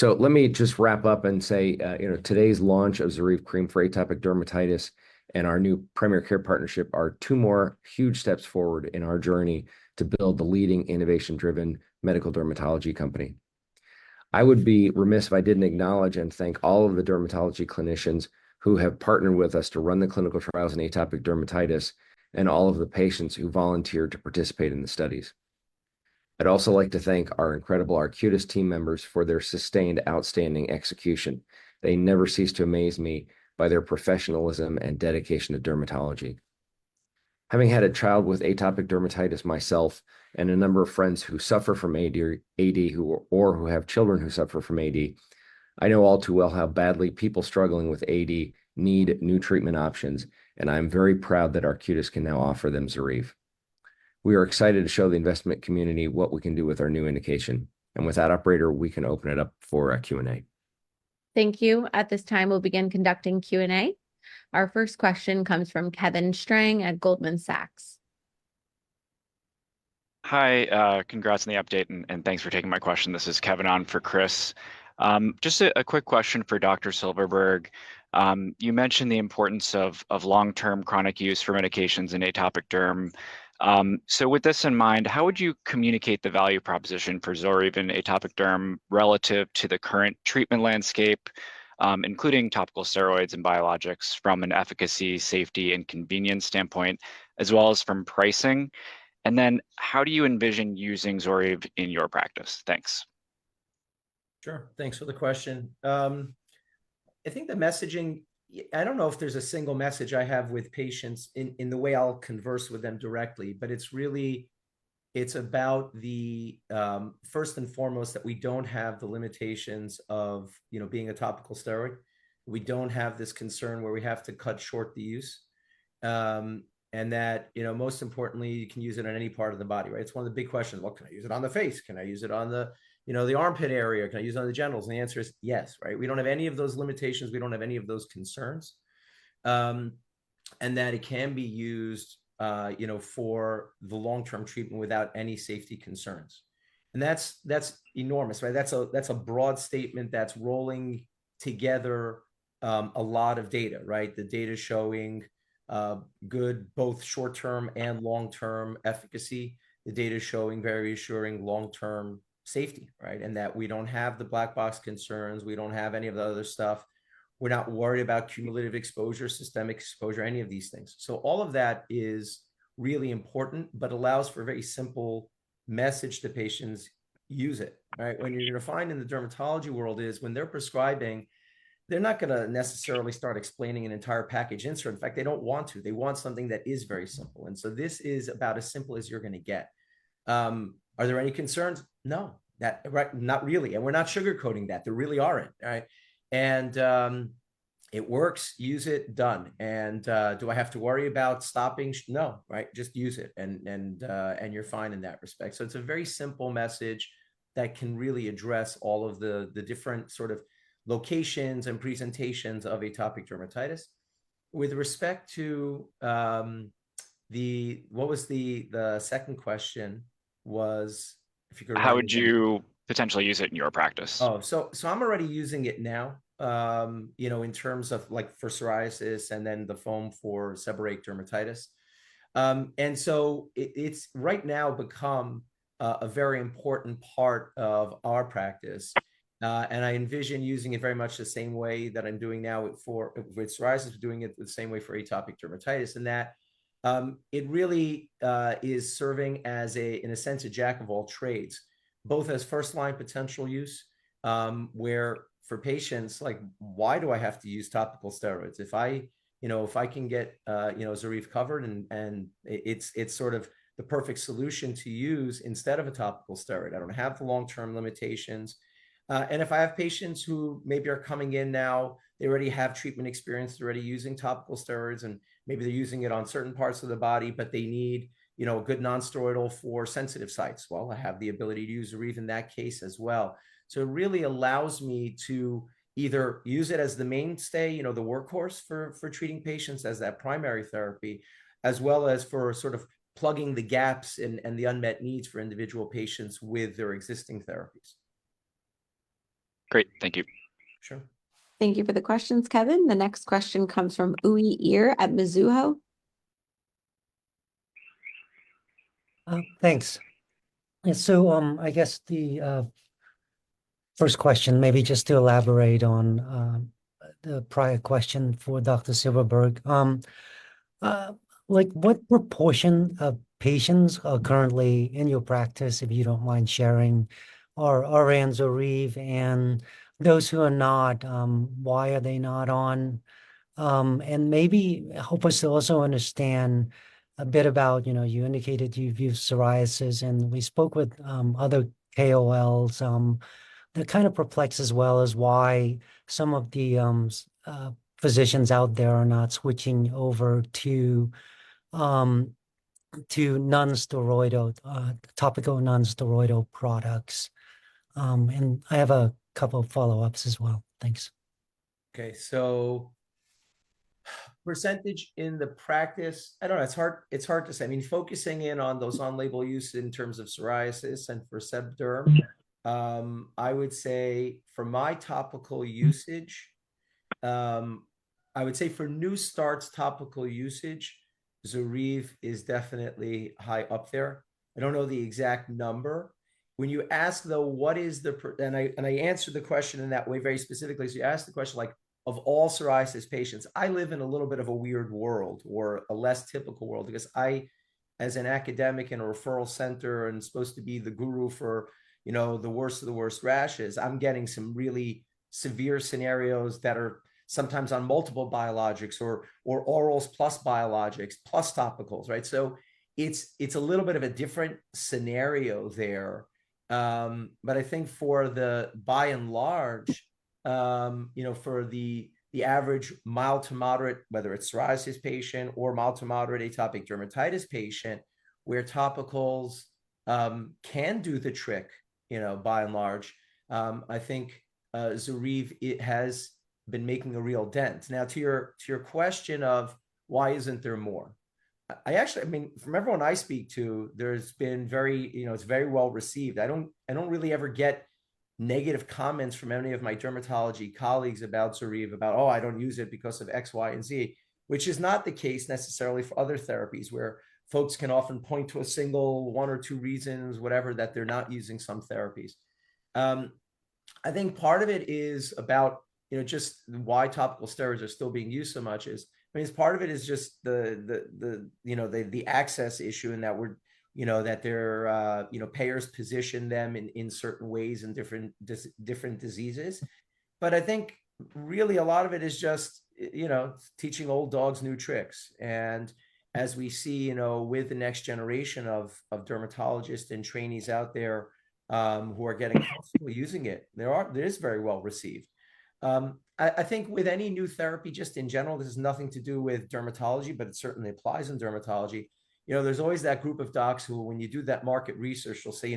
Let me just wrap up and say today's launch of ZORYVE Cream for atopic dermatitis and our new primary care partnership are two more huge steps forward in our journey to build the leading innovation-driven medical dermatology company. I would be remiss if I didn't acknowledge and thank all of the dermatology clinicians who have partnered with us to run the clinical trials in atopic dermatitis and all of the patients who volunteered to participate in the studies. I'd also like to thank our incredible Arcutis team members for their sustained outstanding execution. They never cease to amaze me by their professionalism and dedication to dermatology. Having had a child with atopic dermatitis myself and a number of friends who suffer from AD or who have children who suffer from AD, I know all too well how badly people struggling with AD need new treatment options, and I'm very proud that Arcutis can now offer them ZORYVE. We are excited to show the investment community what we can do with our new indication. With that, Operator, we can open it up for a Q&A. Thank you. At this time, we'll begin conducting Q&A. Our first question comes from Kevin Strang at Goldman Sachs. Hi, congrats on the update, and thanks for taking my question. This is Kevin on for Chris. Just a quick question for Dr. Silverberg. You mentioned the importance of long-term chronic use for medications in atopic derm. So with this in mind, how would you communicate the value proposition for ZORYVE in atopic derm relative to the current treatment landscape, including topical steroids and biologics from an efficacy, safety, and convenience standpoint, as well as from pricing? And then how do you envision using ZORYVE in your practice? Thanks. Sure. Thanks for the question. I think the messaging, I don't know if there's a single message I have with patients in the way I'll converse with them directly, but it's really about the first and foremost that we don't have the limitations of being a topical steroid. We don't have this concern where we have to cut short the use. And that most importantly, you can use it on any part of the body, right? It's one of the big questions. What can I use it on the face? Can I use it on the armpit area? Can I use it on the genitals? And the answer is yes, right? We don't have any of those limitations. We don't have any of those concerns. And that it can be used for the long-term treatment without any safety concerns. And that's enormous, right? That's a broad statement that's rolling together a lot of data, right? The data showing good both short-term and long-term efficacy. The data showing very reassuring long-term safety, right? And that we don't have the black box concerns. We don't have any of the other stuff. We're not worried about cumulative exposure, systemic exposure, any of these things. So all of that is really important but allows for a very simple message to patients: use it, right? What you're going to find in the dermatology world is when they're prescribing, they're not going to necessarily start explaining an entire package insert. In fact, they don't want to. They want something that is very simple. And so this is about as simple as you're going to get. Are there any concerns? No, not really. And we're not sugarcoating that. There really aren't, right? And it works. Use it. Done. Do I have to worry about stopping? No, right? Just use it. And you're fine in that respect. So it's a very simple message that can really address all of the different sort of locations and presentations of atopic dermatitis. With respect to what was the second question was if you could. How would you potentially use it in your practice? Oh, so I'm already using it now in terms of for psoriasis and then the foam for seborrheic dermatitis. And so it's right now become a very important part of our practice. And I envision using it very much the same way that I'm doing now with psoriasis, doing it the same way for atopic dermatitis. And that it really is serving as, in a sense, a jack of all trades, both as first-line potential use where for patients like, "Why do I have to use topical steroids? If I can get ZORYVE covered, and it's sort of the perfect solution to use instead of a topical steroid. I don't have the long-term limitations." And if I have patients who maybe are coming in now, they already have treatment experience. They're already using topical steroids, and maybe they're using it on certain parts of the body, but they need a good nonsteroidal for sensitive sites. Well, I have the ability to use ZORYVE in that case as well. So it really allows me to either use it as the mainstay, the workhorse for treating patients as that primary therapy, as well as for sort of plugging the gaps and the unmet needs for individual patients with their existing therapies. Great. Thank you. Sure. Thank you for the questions, Kevin. The next question comes from Uy Ear at Mizuho. Thanks. So I guess the first question, maybe just to elaborate on the prior question for Dr. Silverberg, what proportion of patients are currently in your practice, if you don't mind sharing, are on ZORYVE? And those who are not, why are they not on? And maybe help us also understand a bit about you indicated you've used psoriasis, and we spoke with other KOLs. The kind of perplexed as well as why some of the physicians out there are not switching over to topical non-steroidal products. And I have a couple of follow-ups as well. Thanks. Okay. So, percentage in the practice, I don't know. It's hard to say. I mean, focusing in on those on-label use in terms of psoriasis and for seb derm, I would say for my topical usage, I would say for new starts, topical usage, ZORYVE is definitely high up there. I don't know the exact number. When you ask, though, what is the, and I answer the question in that way very specifically. So you ask the question like, "Of all psoriasis patients, I live in a little bit of a weird world or a less typical world because I, as an academic in a referral center and supposed to be the guru for the worst of the worst rashes, I'm getting some really severe scenarios that are sometimes on multiple biologics or orals plus biologics plus topicals, right?" So it's a little bit of a different scenario there. But I think for the by and large, for the average mild to moderate, whether it's psoriasis patient or mild to moderate atopic dermatitis patient, where topicals can do the trick by and large, I think ZORYVE has been making a real dent. Now, to your question of why isn't there more? I mean, from everyone I speak to, there's been very, it's very well received. I don't really ever get negative comments from any of my dermatology colleagues about ZORYVE, about, "Oh, I don't use it because of X, Y, and Z," which is not the case necessarily for other therapies where folks can often point to a single one or two reasons, whatever, that they're not using some therapies. I think part of it is about just why topical steroids are still being used so much is, I mean, part of it is just the access issue and that their payers position them in certain ways in different diseases. But I think really a lot of it is just teaching old dogs new tricks. And as we see with the next generation of dermatologists and trainees out there who are getting helpful using it, there is very well received. I think with any new therapy, just in general, this is nothing to do with dermatology, but it certainly applies in dermatology. There's always that group of docs who, when you do that market research, they'll say,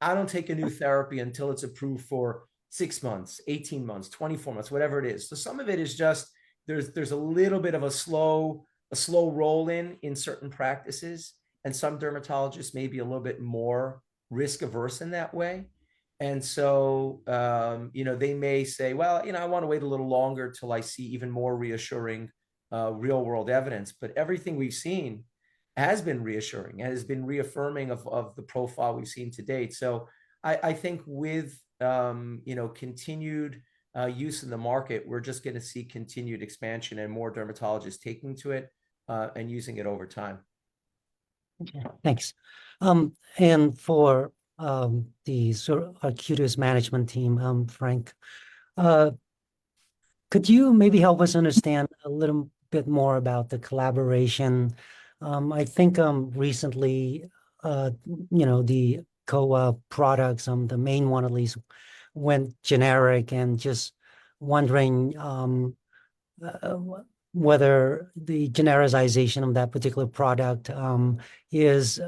"I don't take a new therapy until it's approved for 6 months, 18 months, 24 months, whatever it is." So some of it is just there's a little bit of a slow roll-in in certain practices, and some dermatologists may be a little bit more risk-averse in that way. And so they may say, "Well, I want to wait a little longer till I see even more reassuring real-world evidence." But everything we've seen has been reassuring and has been reaffirming of the profile we've seen to date. So I think with continued use in the market, we're just going to see continued expansion and more dermatologists taking to it and using it over time. Okay. Thanks. And for the Arcutis management team, Frank, could you maybe help us understand a little bit more about the collaboration? I think recently the Kowa products, the main one at least, went generic. And just wondering whether the genericization of that particular product is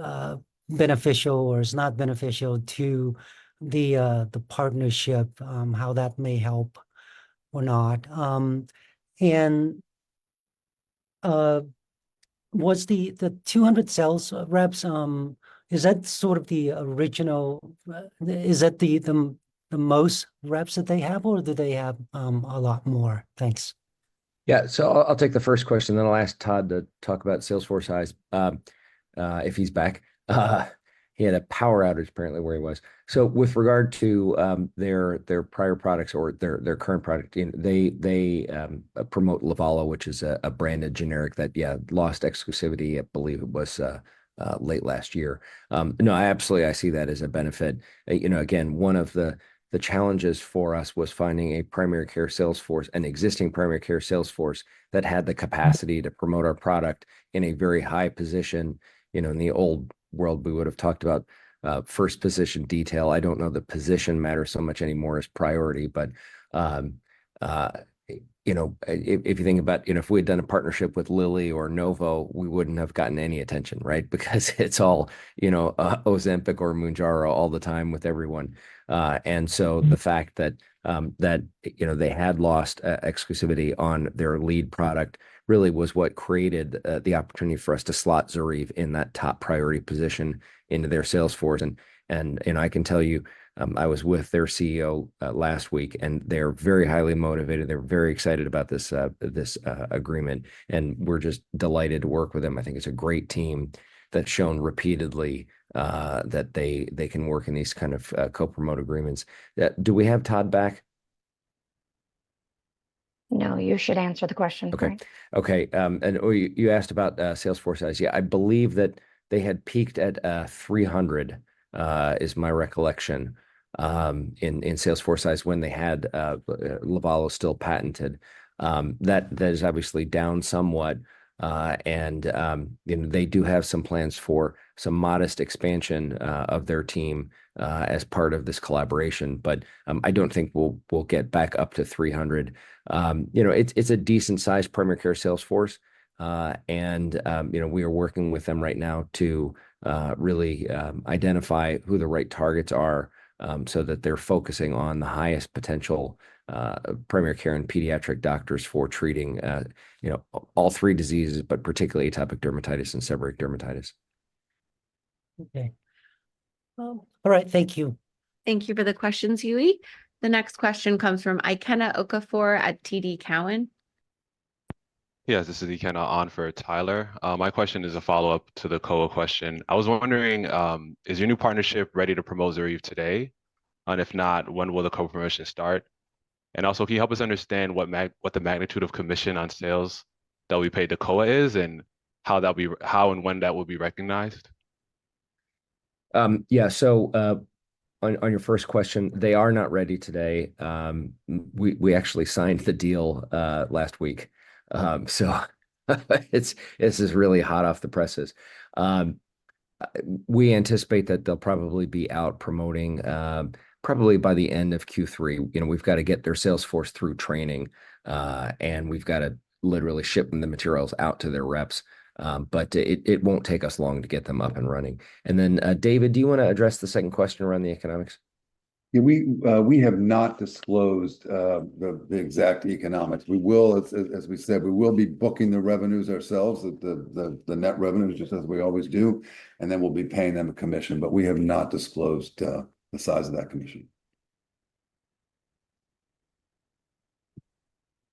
beneficial or is not beneficial to the partnership, how that may help or not. And was the 200 sales reps, is that sort of the original? Is that the most reps that they have, or do they have a lot more? Thanks. Yeah. So I'll take the first question, then I'll ask Todd to talk about sales force size if he's back. He had a power outage apparently where he was. So with regard to their prior products or their current product, they promote LIVALO, which is a branded generic that, yeah, lost exclusivity, I believe it was late last year. No, absolutely. I see that as a benefit. Again, one of the challenges for us was finding an existing primary care sales force that had the capacity to promote our product in a very high position. In the old world, we would have talked about first position detail. I don't know that position matters so much anymore as priority. But if you think about if we had done a partnership with Lilly or Novo, we wouldn't have gotten any attention, right? Because it's all Ozempic or Mounjaro all the time with everyone. And so the fact that they had lost exclusivity on their lead product really was what created the opportunity for us to slot ZORYVE in that top priority position into their sales force. I can tell you, I was with their CEO last week, and they're very highly motivated. They're very excited about this agreement. We're just delighted to work with them. I think it's a great team that's shown repeatedly that they can work in these kind of co-promote agreements. Do we have Todd back? No, you should answer the question, Frank. Okay. Okay. And you asked about sales force size. Yeah, I believe that they had peaked at 300, is my recollection, in sales force size when they had LIVALO still patented. That is obviously down somewhat. And they do have some plans for some modest expansion of their team as part of this collaboration. But I don't think we'll get back up to 300. It's a decent-sized primary care sales force. And we are working with them right now to really identify who the right targets are so that they're focusing on the highest potential primary care and pediatric doctors for treating all three diseases, but particularly atopic dermatitis and seborrheic dermatitis. Okay. All right. Thank you. Thank you for the questions, Uy Ear. The next question comes from Ikenna Okafor at TD Cowen. Yeah, this is Ikenna Okafor at TD Cowen. My question is a follow-up to the Kowa question. I was wondering, is your new partnership ready to promote ZORYVE today? And if not, when will the co-promotion start? And also, can you help us understand what the magnitude of commission on sales that we pay to Kowa is and how and when that will be recognized? Yeah. So on your first question, they are not ready today. We actually signed the deal last week. So this is really hot off the presses. We anticipate that they'll probably be out promoting probably by the end of Q3. We've got to get their sales force through training, and we've got to literally ship the materials out to their reps. But it won't take us long to get them up and running. And then, David, do you want to address the second question around the economics? Yeah. We have not disclosed the exact economics. As we said, we will be booking the revenues ourselves, the net revenues, just as we always do. And then we'll be paying them a commission. We have not disclosed the size of that commission.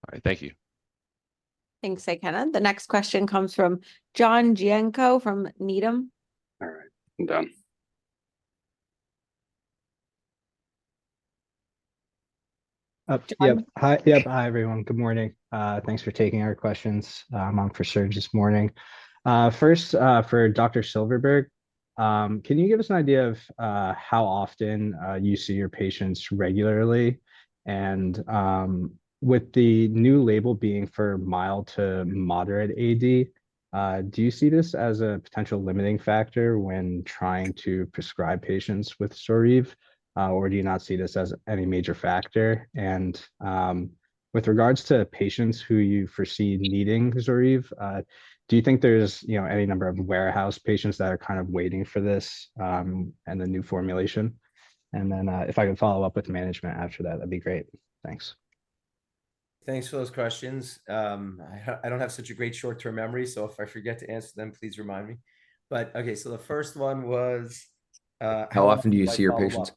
All right. Thank you. Thanks, Ikenna. The next question comes from John Gionco from Needham. All right. I'm done. Yep. Hi, everyone. Good morning. Thanks for taking our questions. I'm on for Serge this morning. First, for Dr. Silverberg, can you give us an idea of how often you see your patients regularly? And with the new label being for mild to moderate AD, do you see this as a potential limiting factor when trying to prescribe patients with ZORYVE, or do you not see this as any major factor? And with regards to patients who you foresee needing ZORYVE, do you think there's any number of warehoused patients that are kind of waiting for this and the new formulation? And then if I can follow up with management after that, that'd be great. Thanks. Thanks for those questions. I don't have such a great short-term memory, so if I forget to answer them, please remind me. But okay, so the first one was. How often do you see your patients?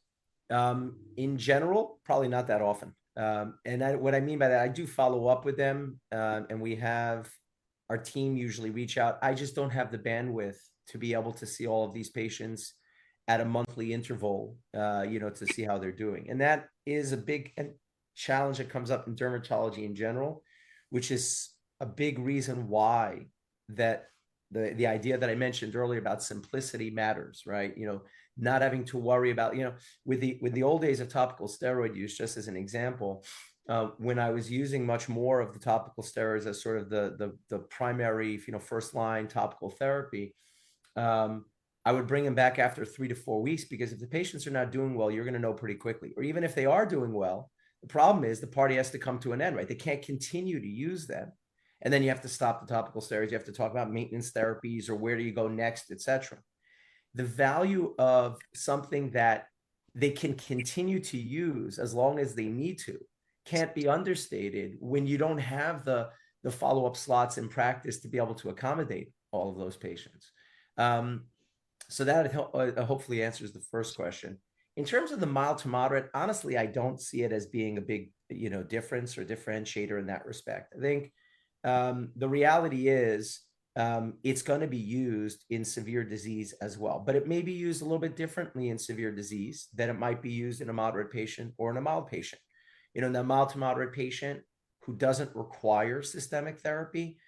In general, probably not that often. What I mean by that, I do follow up with them, and our team usually reach out. I just don't have the bandwidth to be able to see all of these patients at a monthly interval to see how they're doing. That is a big challenge that comes up in dermatology in general, which is a big reason why the idea that I mentioned earlier about simplicity matters, right? Not having to worry about with the old days of topical steroid use, just as an example, when I was using much more of the topical steroids as sort of the primary first-line topical therapy, I would bring them back after 3-4 weeks because if the patients are not doing well, you're going to know pretty quickly. Or even if they are doing well, the problem is the party has to come to an end, right? They can't continue to use them. And then you have to stop the topical steroids. You have to talk about maintenance therapies or where do you go next, etc. The value of something that they can continue to use as long as they need to can't be understated when you don't have the follow-up slots in practice to be able to accommodate all of those patients. So that hopefully answers the first question. In terms of the mild to moderate, honestly, I don't see it as being a big difference or differentiator in that respect. I think the reality is it's going to be used in severe disease as well. But it may be used a little bit differently in severe disease than it might be used in a moderate patient or in a mild patient. In a mild to moderate patient who doesn't require systemic therapy,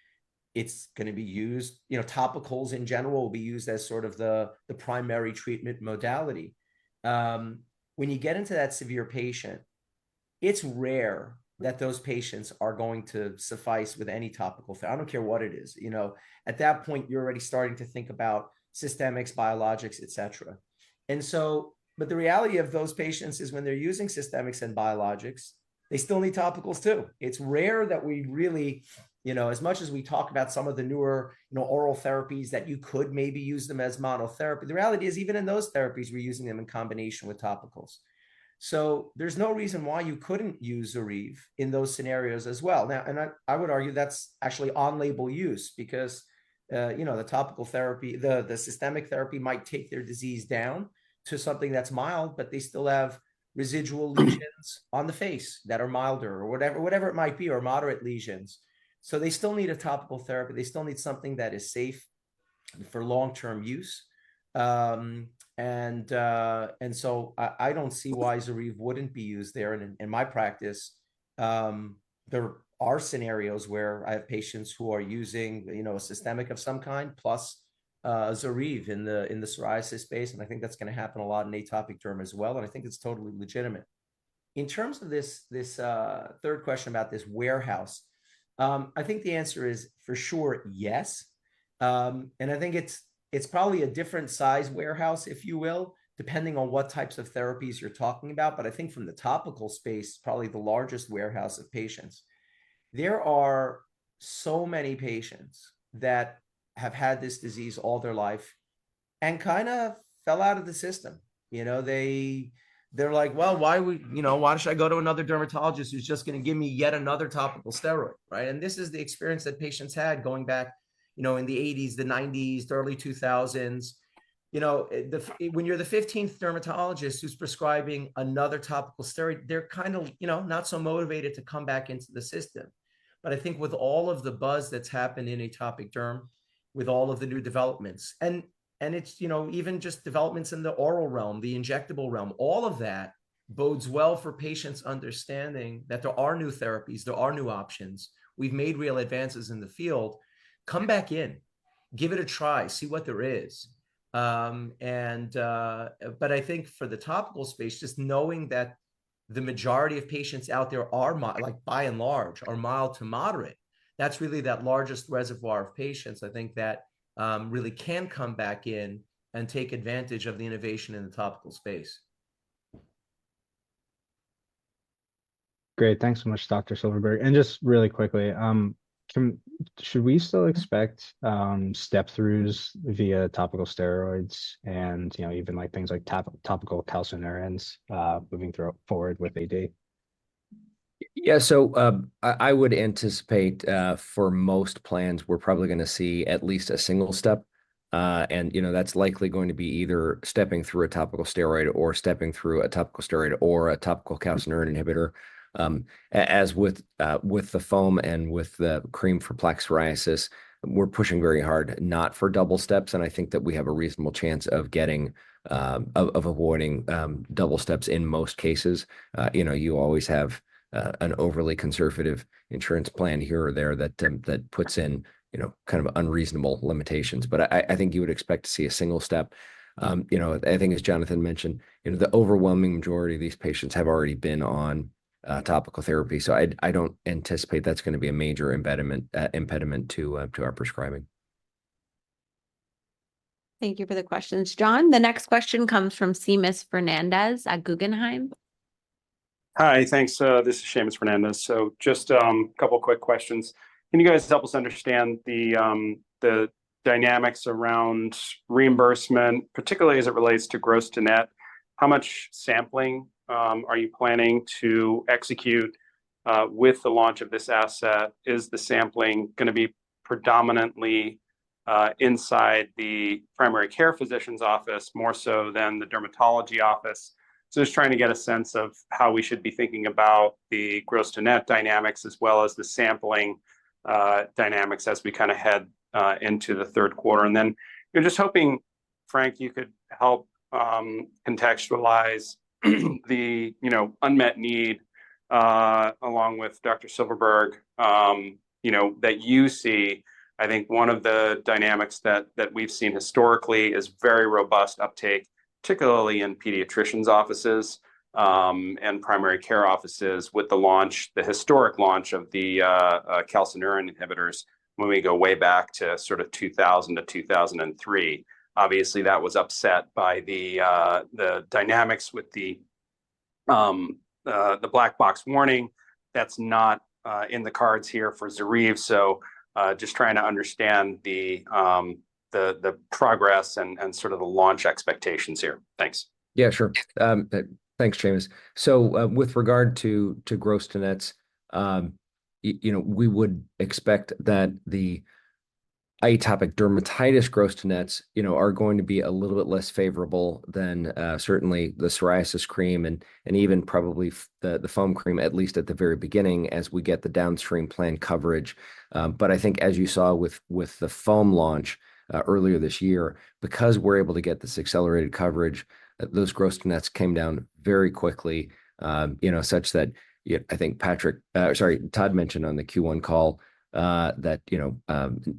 it's going to be used topicals in general will be used as sort of the primary treatment modality. When you get into that severe patient, it's rare that those patients are going to suffice with any topical therapy. I don't care what it is. At that point, you're already starting to think about systemics, biologics, etc. But the reality of those patients is when they're using systemics and biologics, they still need topicals too. It's rare that we really, as much as we talk about some of the newer oral therapies that you could maybe use them as monotherapy, the reality is even in those therapies, we're using them in combination with topicals. So there's no reason why you couldn't use ZORYVE in those scenarios as well. Now, and I would argue that's actually on-label use because the systemic therapy might take their disease down to something that's mild, but they still have residual lesions on the face that are milder or whatever it might be, or moderate lesions. So they still need a topical therapy. They still need something that is safe for long-term use. And so I don't see why ZORYVE wouldn't be used there. In my practice, there are scenarios where I have patients who are using a systemic of some kind plus ZORYVE in the psoriasis space. And I think that's going to happen a lot in atopic derm as well. And I think it's totally legitimate. In terms of this third question about this warehouse, I think the answer is for sure, yes. I think it's probably a different-sized warehouse, if you will, depending on what types of therapies you're talking about. But I think from the topical space, probably the largest warehouse of patients, there are so many patients that have had this disease all their life and kind of fell out of the system. They're like, "Well, why should I go to another dermatologist who's just going to give me yet another topical steroid, right?" This is the experience that patients had going back in the 1980s, the 1990s, the early 2000s. When you're the 15th dermatologist who's prescribing another topical steroid, they're kind of not so motivated to come back into the system. But I think with all of the buzz that's happened in atopic derm, with all of the new developments, and even just developments in the oral realm, the injectable realm, all of that bodes well for patients understanding that there are new therapies, there are new options. We've made real advances in the field. Come back in, give it a try, see what there is. But I think for the topical space, just knowing that the majority of patients out there, by and large, are mild to moderate, that's really that largest reservoir of patients I think that really can come back in and take advantage of the innovation in the topical space. Great. Thanks so much, Dr. Silverberg. And just really quickly, should we still expect step-throughs via topical steroids and even things like topical calcineurin inhibitors moving forward with AD? Yeah. So I would anticipate for most plans, we're probably going to see at least a single step. And that's likely going to be either stepping through a topical steroid or stepping through a topical steroid or a topical calcineurin inhibitor. As with the foam and with the cream for plaque psoriasis, we're pushing very hard not for double steps. And I think that we have a reasonable chance of avoiding double steps in most cases. You always have an overly conservative insurance plan here or there that puts in kind of unreasonable limitations. But I think you would expect to see a single step. I think, as Jonathan mentioned, the overwhelming majority of these patients have already been on topical therapy. So I don't anticipate that's going to be a major impediment to our prescribing. Thank you for the questions, John. The next question comes from Seamus Fernandez at Guggenheim. Hi, thanks. This is Seamus Fernandez. So just a couple of quick questions. Can you guys help us understand the dynamics around reimbursement, particularly as it relates to gross to net? How much sampling are you planning to execute with the launch of this asset? Is the sampling going to be predominantly inside the primary care physician's office more so than the dermatology office? So just trying to get a sense of how we should be thinking about the gross to net dynamics as well as the sampling dynamics as we kind of head into the third quarter. And then just hoping, Frank, you could help contextualize the unmet need along with Dr. Silverberg that you see. I think one of the dynamics that we've seen historically is very robust uptake, particularly in pediatricians' offices and primary care offices with the historic launch of the calcineurin inhibitors when we go way back to sort of 2000-2003. Obviously, that was upset by the dynamics with the black box warning. That's not in the cards here for ZORYVE. So just trying to understand the progress and sort of the launch expectations here. Thanks. Yeah, sure. Thanks, Seamus. So with regard to gross to nets, we would expect that the atopic dermatitis gross to nets are going to be a little bit less favorable than certainly the psoriasis cream and even probably the foam cream, at least at the very beginning as we get the downstream plan coverage. But I think, as you saw with the foam launch earlier this year, because we're able to get this accelerated coverage, those gross to nets came down very quickly, such that I think Patrick, sorry, Todd mentioned on the Q1 call that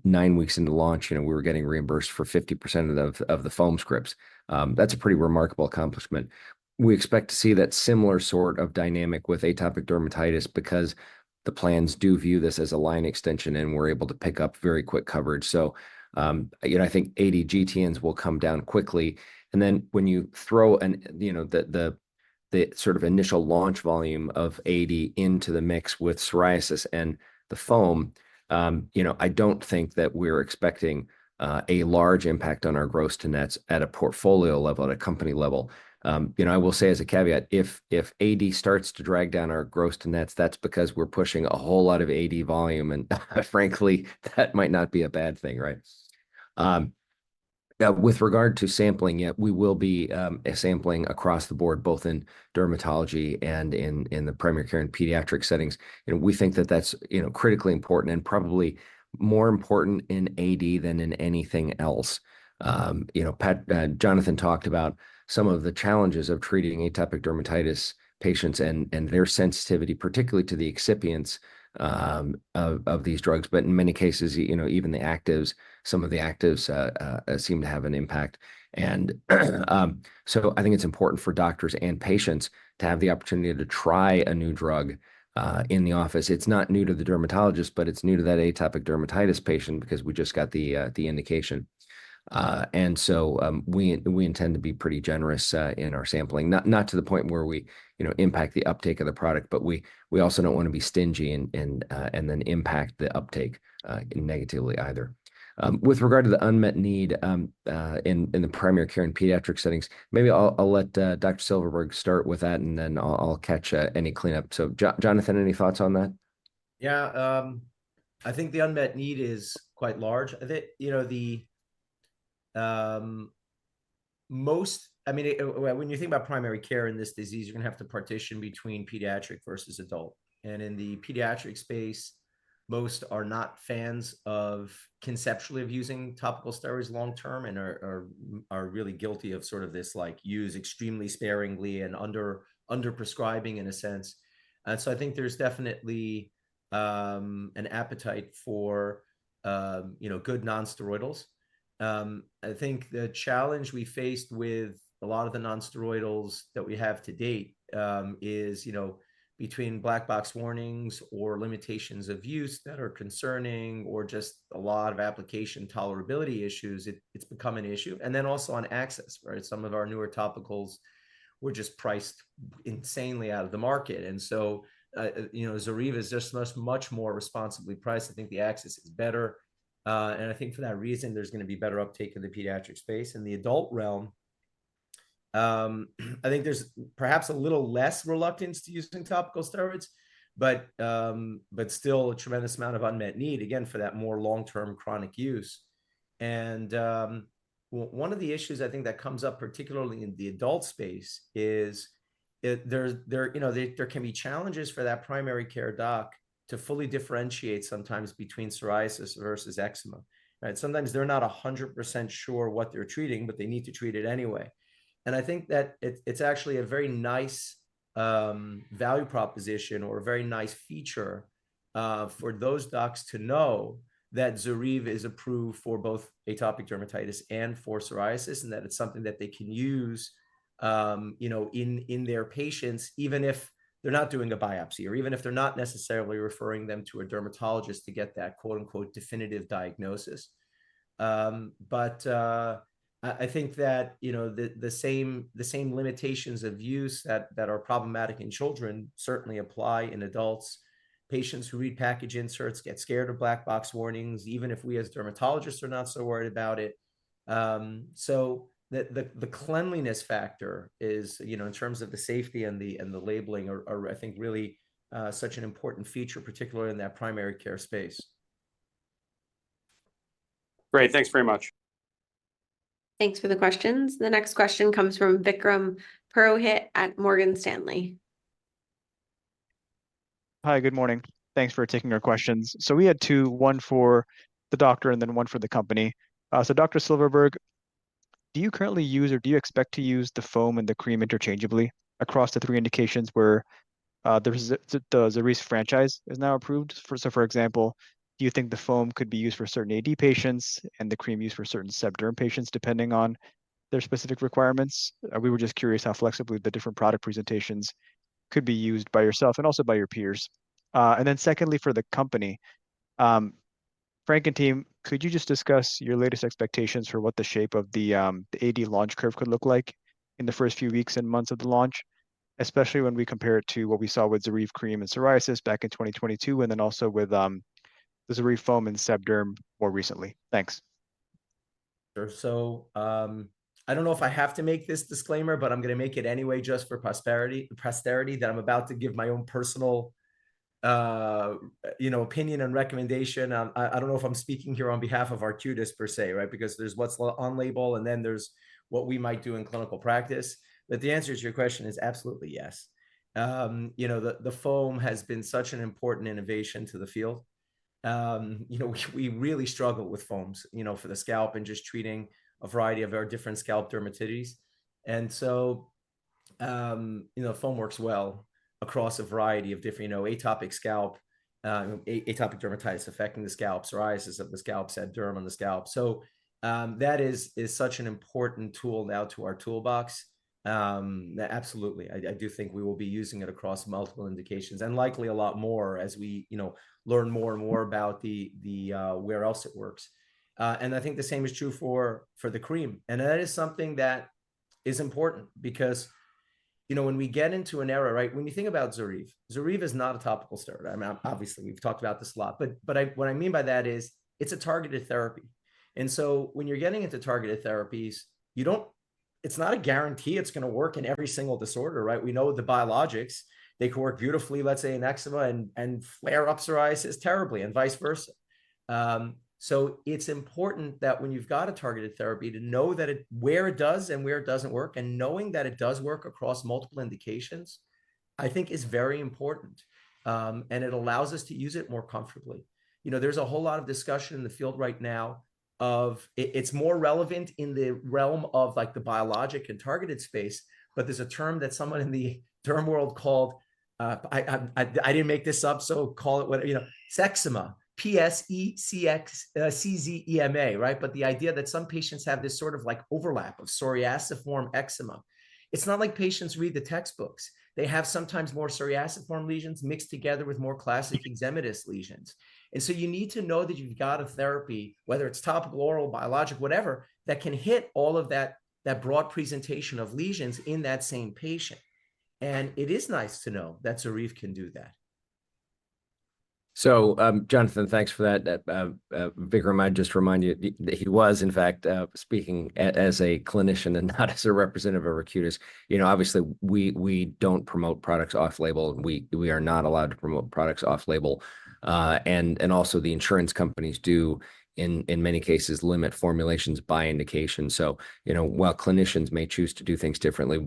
9 weeks into launch, we were getting reimbursed for 50% of the foam scripts. That's a pretty remarkable accomplishment. We expect to see that similar sort of dynamic with atopic dermatitis because the plans do view this as a line extension, and we're able to pick up very quick coverage. So I think AD GTNs will come down quickly. And then when you throw the sort of initial launch volume of AD into the mix with psoriasis and the foam, I don't think that we're expecting a large impact on our gross to nets at a portfolio level, at a company level. I will say as a caveat, if AD starts to drag down our gross to nets, that's because we're pushing a whole lot of AD volume. And frankly, that might not be a bad thing, right? With regard to sampling, yet we will be sampling across the board, both in dermatology and in the primary care and pediatric settings. And we think that that's critically important and probably more important in AD than in anything else. Jonathan talked about some of the challenges of treating atopic dermatitis patients and their sensitivity, particularly to the excipients of these drugs. But in many cases, even the actives, some of the actives seem to have an impact. And so I think it's important for doctors and patients to have the opportunity to try a new drug in the office. It's not new to the dermatologist, but it's new to that atopic dermatitis patient because we just got the indication. And so we intend to be pretty generous in our sampling, not to the point where we impact the uptake of the product, but we also don't want to be stingy and then impact the uptake negatively either. With regard to the unmet need in the primary care and pediatric settings, maybe I'll let Dr. Silverberg start with that, and then I'll catch any cleanup. So Jonathan, any thoughts on that? Yeah. I think the unmet need is quite large. I think most, I mean, when you think about primary care in this disease, you're going to have to partition between pediatric versus adult. And in the pediatric space, most are not fans of conceptually of using topical steroids long-term and are really guilty of sort of this use extremely sparingly and under-prescribing in a sense. And so I think there's definitely an appetite for good nonsteroidals. I think the challenge we faced with a lot of the nonsteroidals that we have to date is between black box warnings or limitations of use that are concerning or just a lot of application tolerability issues; it's become an issue. And then also on access, right? Some of our newer topicals were just priced insanely out of the market. And so ZORYVE is just much more responsibly priced. I think the access is better. I think for that reason, there's going to be better uptake in the pediatric space. In the adult realm, I think there's perhaps a little less reluctance to use topical steroids, but still a tremendous amount of unmet need, again, for that more long-term chronic use. One of the issues I think that comes up, particularly in the adult space, is there can be challenges for that primary care doc to fully differentiate sometimes between psoriasis versus eczema. Sometimes they're not 100% sure what they're treating, but they need to treat it anyway. I think that it's actually a very nice value proposition or a very nice feature for those docs to know that ZORYVE is approved for both atopic dermatitis and for psoriasis and that it's something that they can use in their patients, even if they're not doing a biopsy or even if they're not necessarily referring them to a dermatologist to get that "definitive diagnosis." But I think that the same limitations of use that are problematic in children certainly apply in adults. Patients who read package inserts get scared of black box warnings, even if we as dermatologists are not so worried about it. So the cleanliness factor in terms of the safety and the labeling are, I think, really such an important feature, particularly in that primary care space. Great. Thanks very much. Thanks for the questions. The next question comes from Vikram Purohit at Morgan Stanley. Hi, good morning. Thanks for taking our questions. So we had two, one for the doctor and then one for the company. So Dr. Silverberg, do you currently use or do you expect to use the foam and the cream interchangeably across the three indications where the ZORYVE franchise is now approved? So for example, do you think the foam could be used for certain AD patients and the cream used for certain subderm patients depending on their specific requirements? We were just curious how flexibly the different product presentations could be used by yourself and also by your peers. Then secondly, for the company, Frank and team, could you just discuss your latest expectations for what the shape of the AD launch curve could look like in the first few weeks and months of the launch, especially when we compare it to what we saw with ZORYVE cream and psoriasis back in 2022 and then also with the ZORYVE foam and seborrheic dermatitis more recently? Thanks. Sure. So I don't know if I have to make this disclaimer, but I'm going to make it anyway just for posterity that I'm about to give my own personal opinion and recommendation. I don't know if I'm speaking here on behalf of Arcutis per se, right, because there's what's on label, and then there's what we might do in clinical practice. But the answer to your question is absolutely yes. The foam has been such an important innovation to the field. We really struggle with foams for the scalp and just treating a variety of our different scalp dermatitis. And so foam works well across a variety of different atopic scalp, atopic dermatitis affecting the scalp, psoriasis of the scalp, seb derm on the scalp. So that is such an important tool now to our toolbox. Absolutely. I do think we will be using it across multiple indications and likely a lot more as we learn more and more about where else it works. I think the same is true for the cream. That is something that is important because when we get into an era, right, when you think about ZORYVE, ZORYVE is not a topical steroid. I mean, obviously, we've talked about this a lot. But what I mean by that is it's a targeted therapy. So when you're getting into targeted therapies, it's not a guarantee it's going to work in every single disorder, right? We know the biologics, they can work beautifully, let's say, in eczema and flare up psoriasis terribly and vice versa. So it's important that when you've got a targeted therapy, to know where it does and where it doesn't work. Knowing that it does work across multiple indications, I think, is very important. And it allows us to use it more comfortably. There's a whole lot of discussion in the field right now of it's more relevant in the realm of the biologic and targeted space, but there's a term that someone in the derm world called I didn't make this up, so call it whatever, Pseczema, P-S-E-C-Z-E-M-A, right? But the idea that some patients have this sort of overlap of psoriasiform eczema. It's not like patients read the textbooks. They have sometimes more psoriasiform lesions mixed together with more classic eczematous lesions. And so you need to know that you've got a therapy, whether it's topical, oral, biologic, whatever, that can hit all of that broad presentation of lesions in that same patient. And it is nice to know that ZORYVE can do that. So Jonathan, thanks for that. Vikram, I'd just remind you that he was, in fact, speaking as a clinician and not as a representative of Arcutis. Obviously, we don't promote products off-label. We are not allowed to promote products off-label. And also the insurance companies do, in many cases, limit formulations by indication. So while clinicians may choose to do things differently,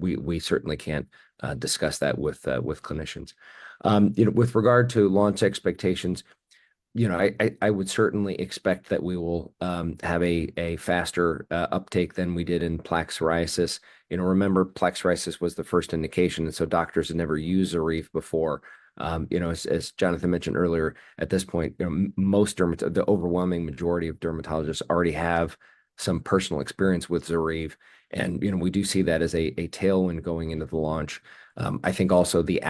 we certainly can't discuss that with clinicians. With regard to launch expectations, I would certainly expect that we will have a faster uptake than we did in plaque psoriasis. Remember, plaque psoriasis was the first indication. And so doctors have never used ZORYVE before. As Jonathan mentioned earlier, at this point, the overwhelming majority of dermatologists already have some personal experience with ZORYVE. And we do see that as a tailwind going into the launch. I think also the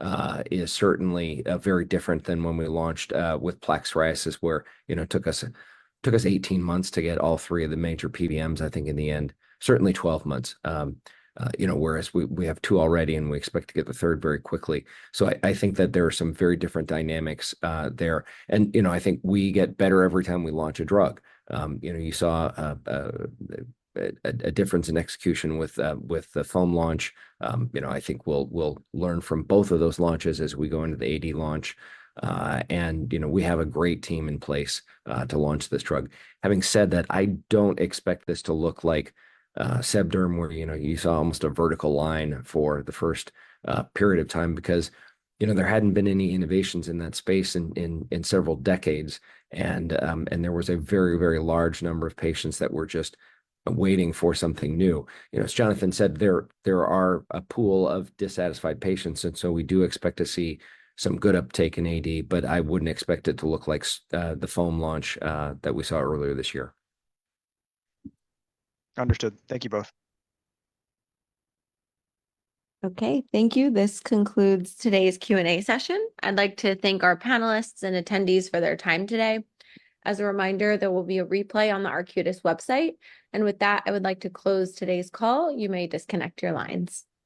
access is certainly very different than when we launched with plaque psoriasis, where it took us 18 months to get all three of the major PBMs, I think, in the end, certainly 12 months, whereas we have two already, and we expect to get the third very quickly. So I think that there are some very different dynamics there. And I think we get better every time we launch a drug. You saw a difference in execution with the foam launch. I think we'll learn from both of those launches as we go into the AD launch. And we have a great team in place to launch this drug. Having said that, I don't expect this to look like seb derm where you saw almost a vertical line for the first period of time because there hadn't been any innovations in that space in several decades. There was a very, very large number of patients that were just waiting for something new. As Jonathan said, there are a pool of dissatisfied patients. And so we do expect to see some good uptake in AD, but I wouldn't expect it to look like the foam launch that we saw earlier this year. Understood. Thank you both. Okay. Thank you. This concludes today's Q&A session. I'd like to thank our panelists and attendees for their time today. As a reminder, there will be a replay on the Arcutis website. And with that, I would like to close today's call. You may disconnect your lines.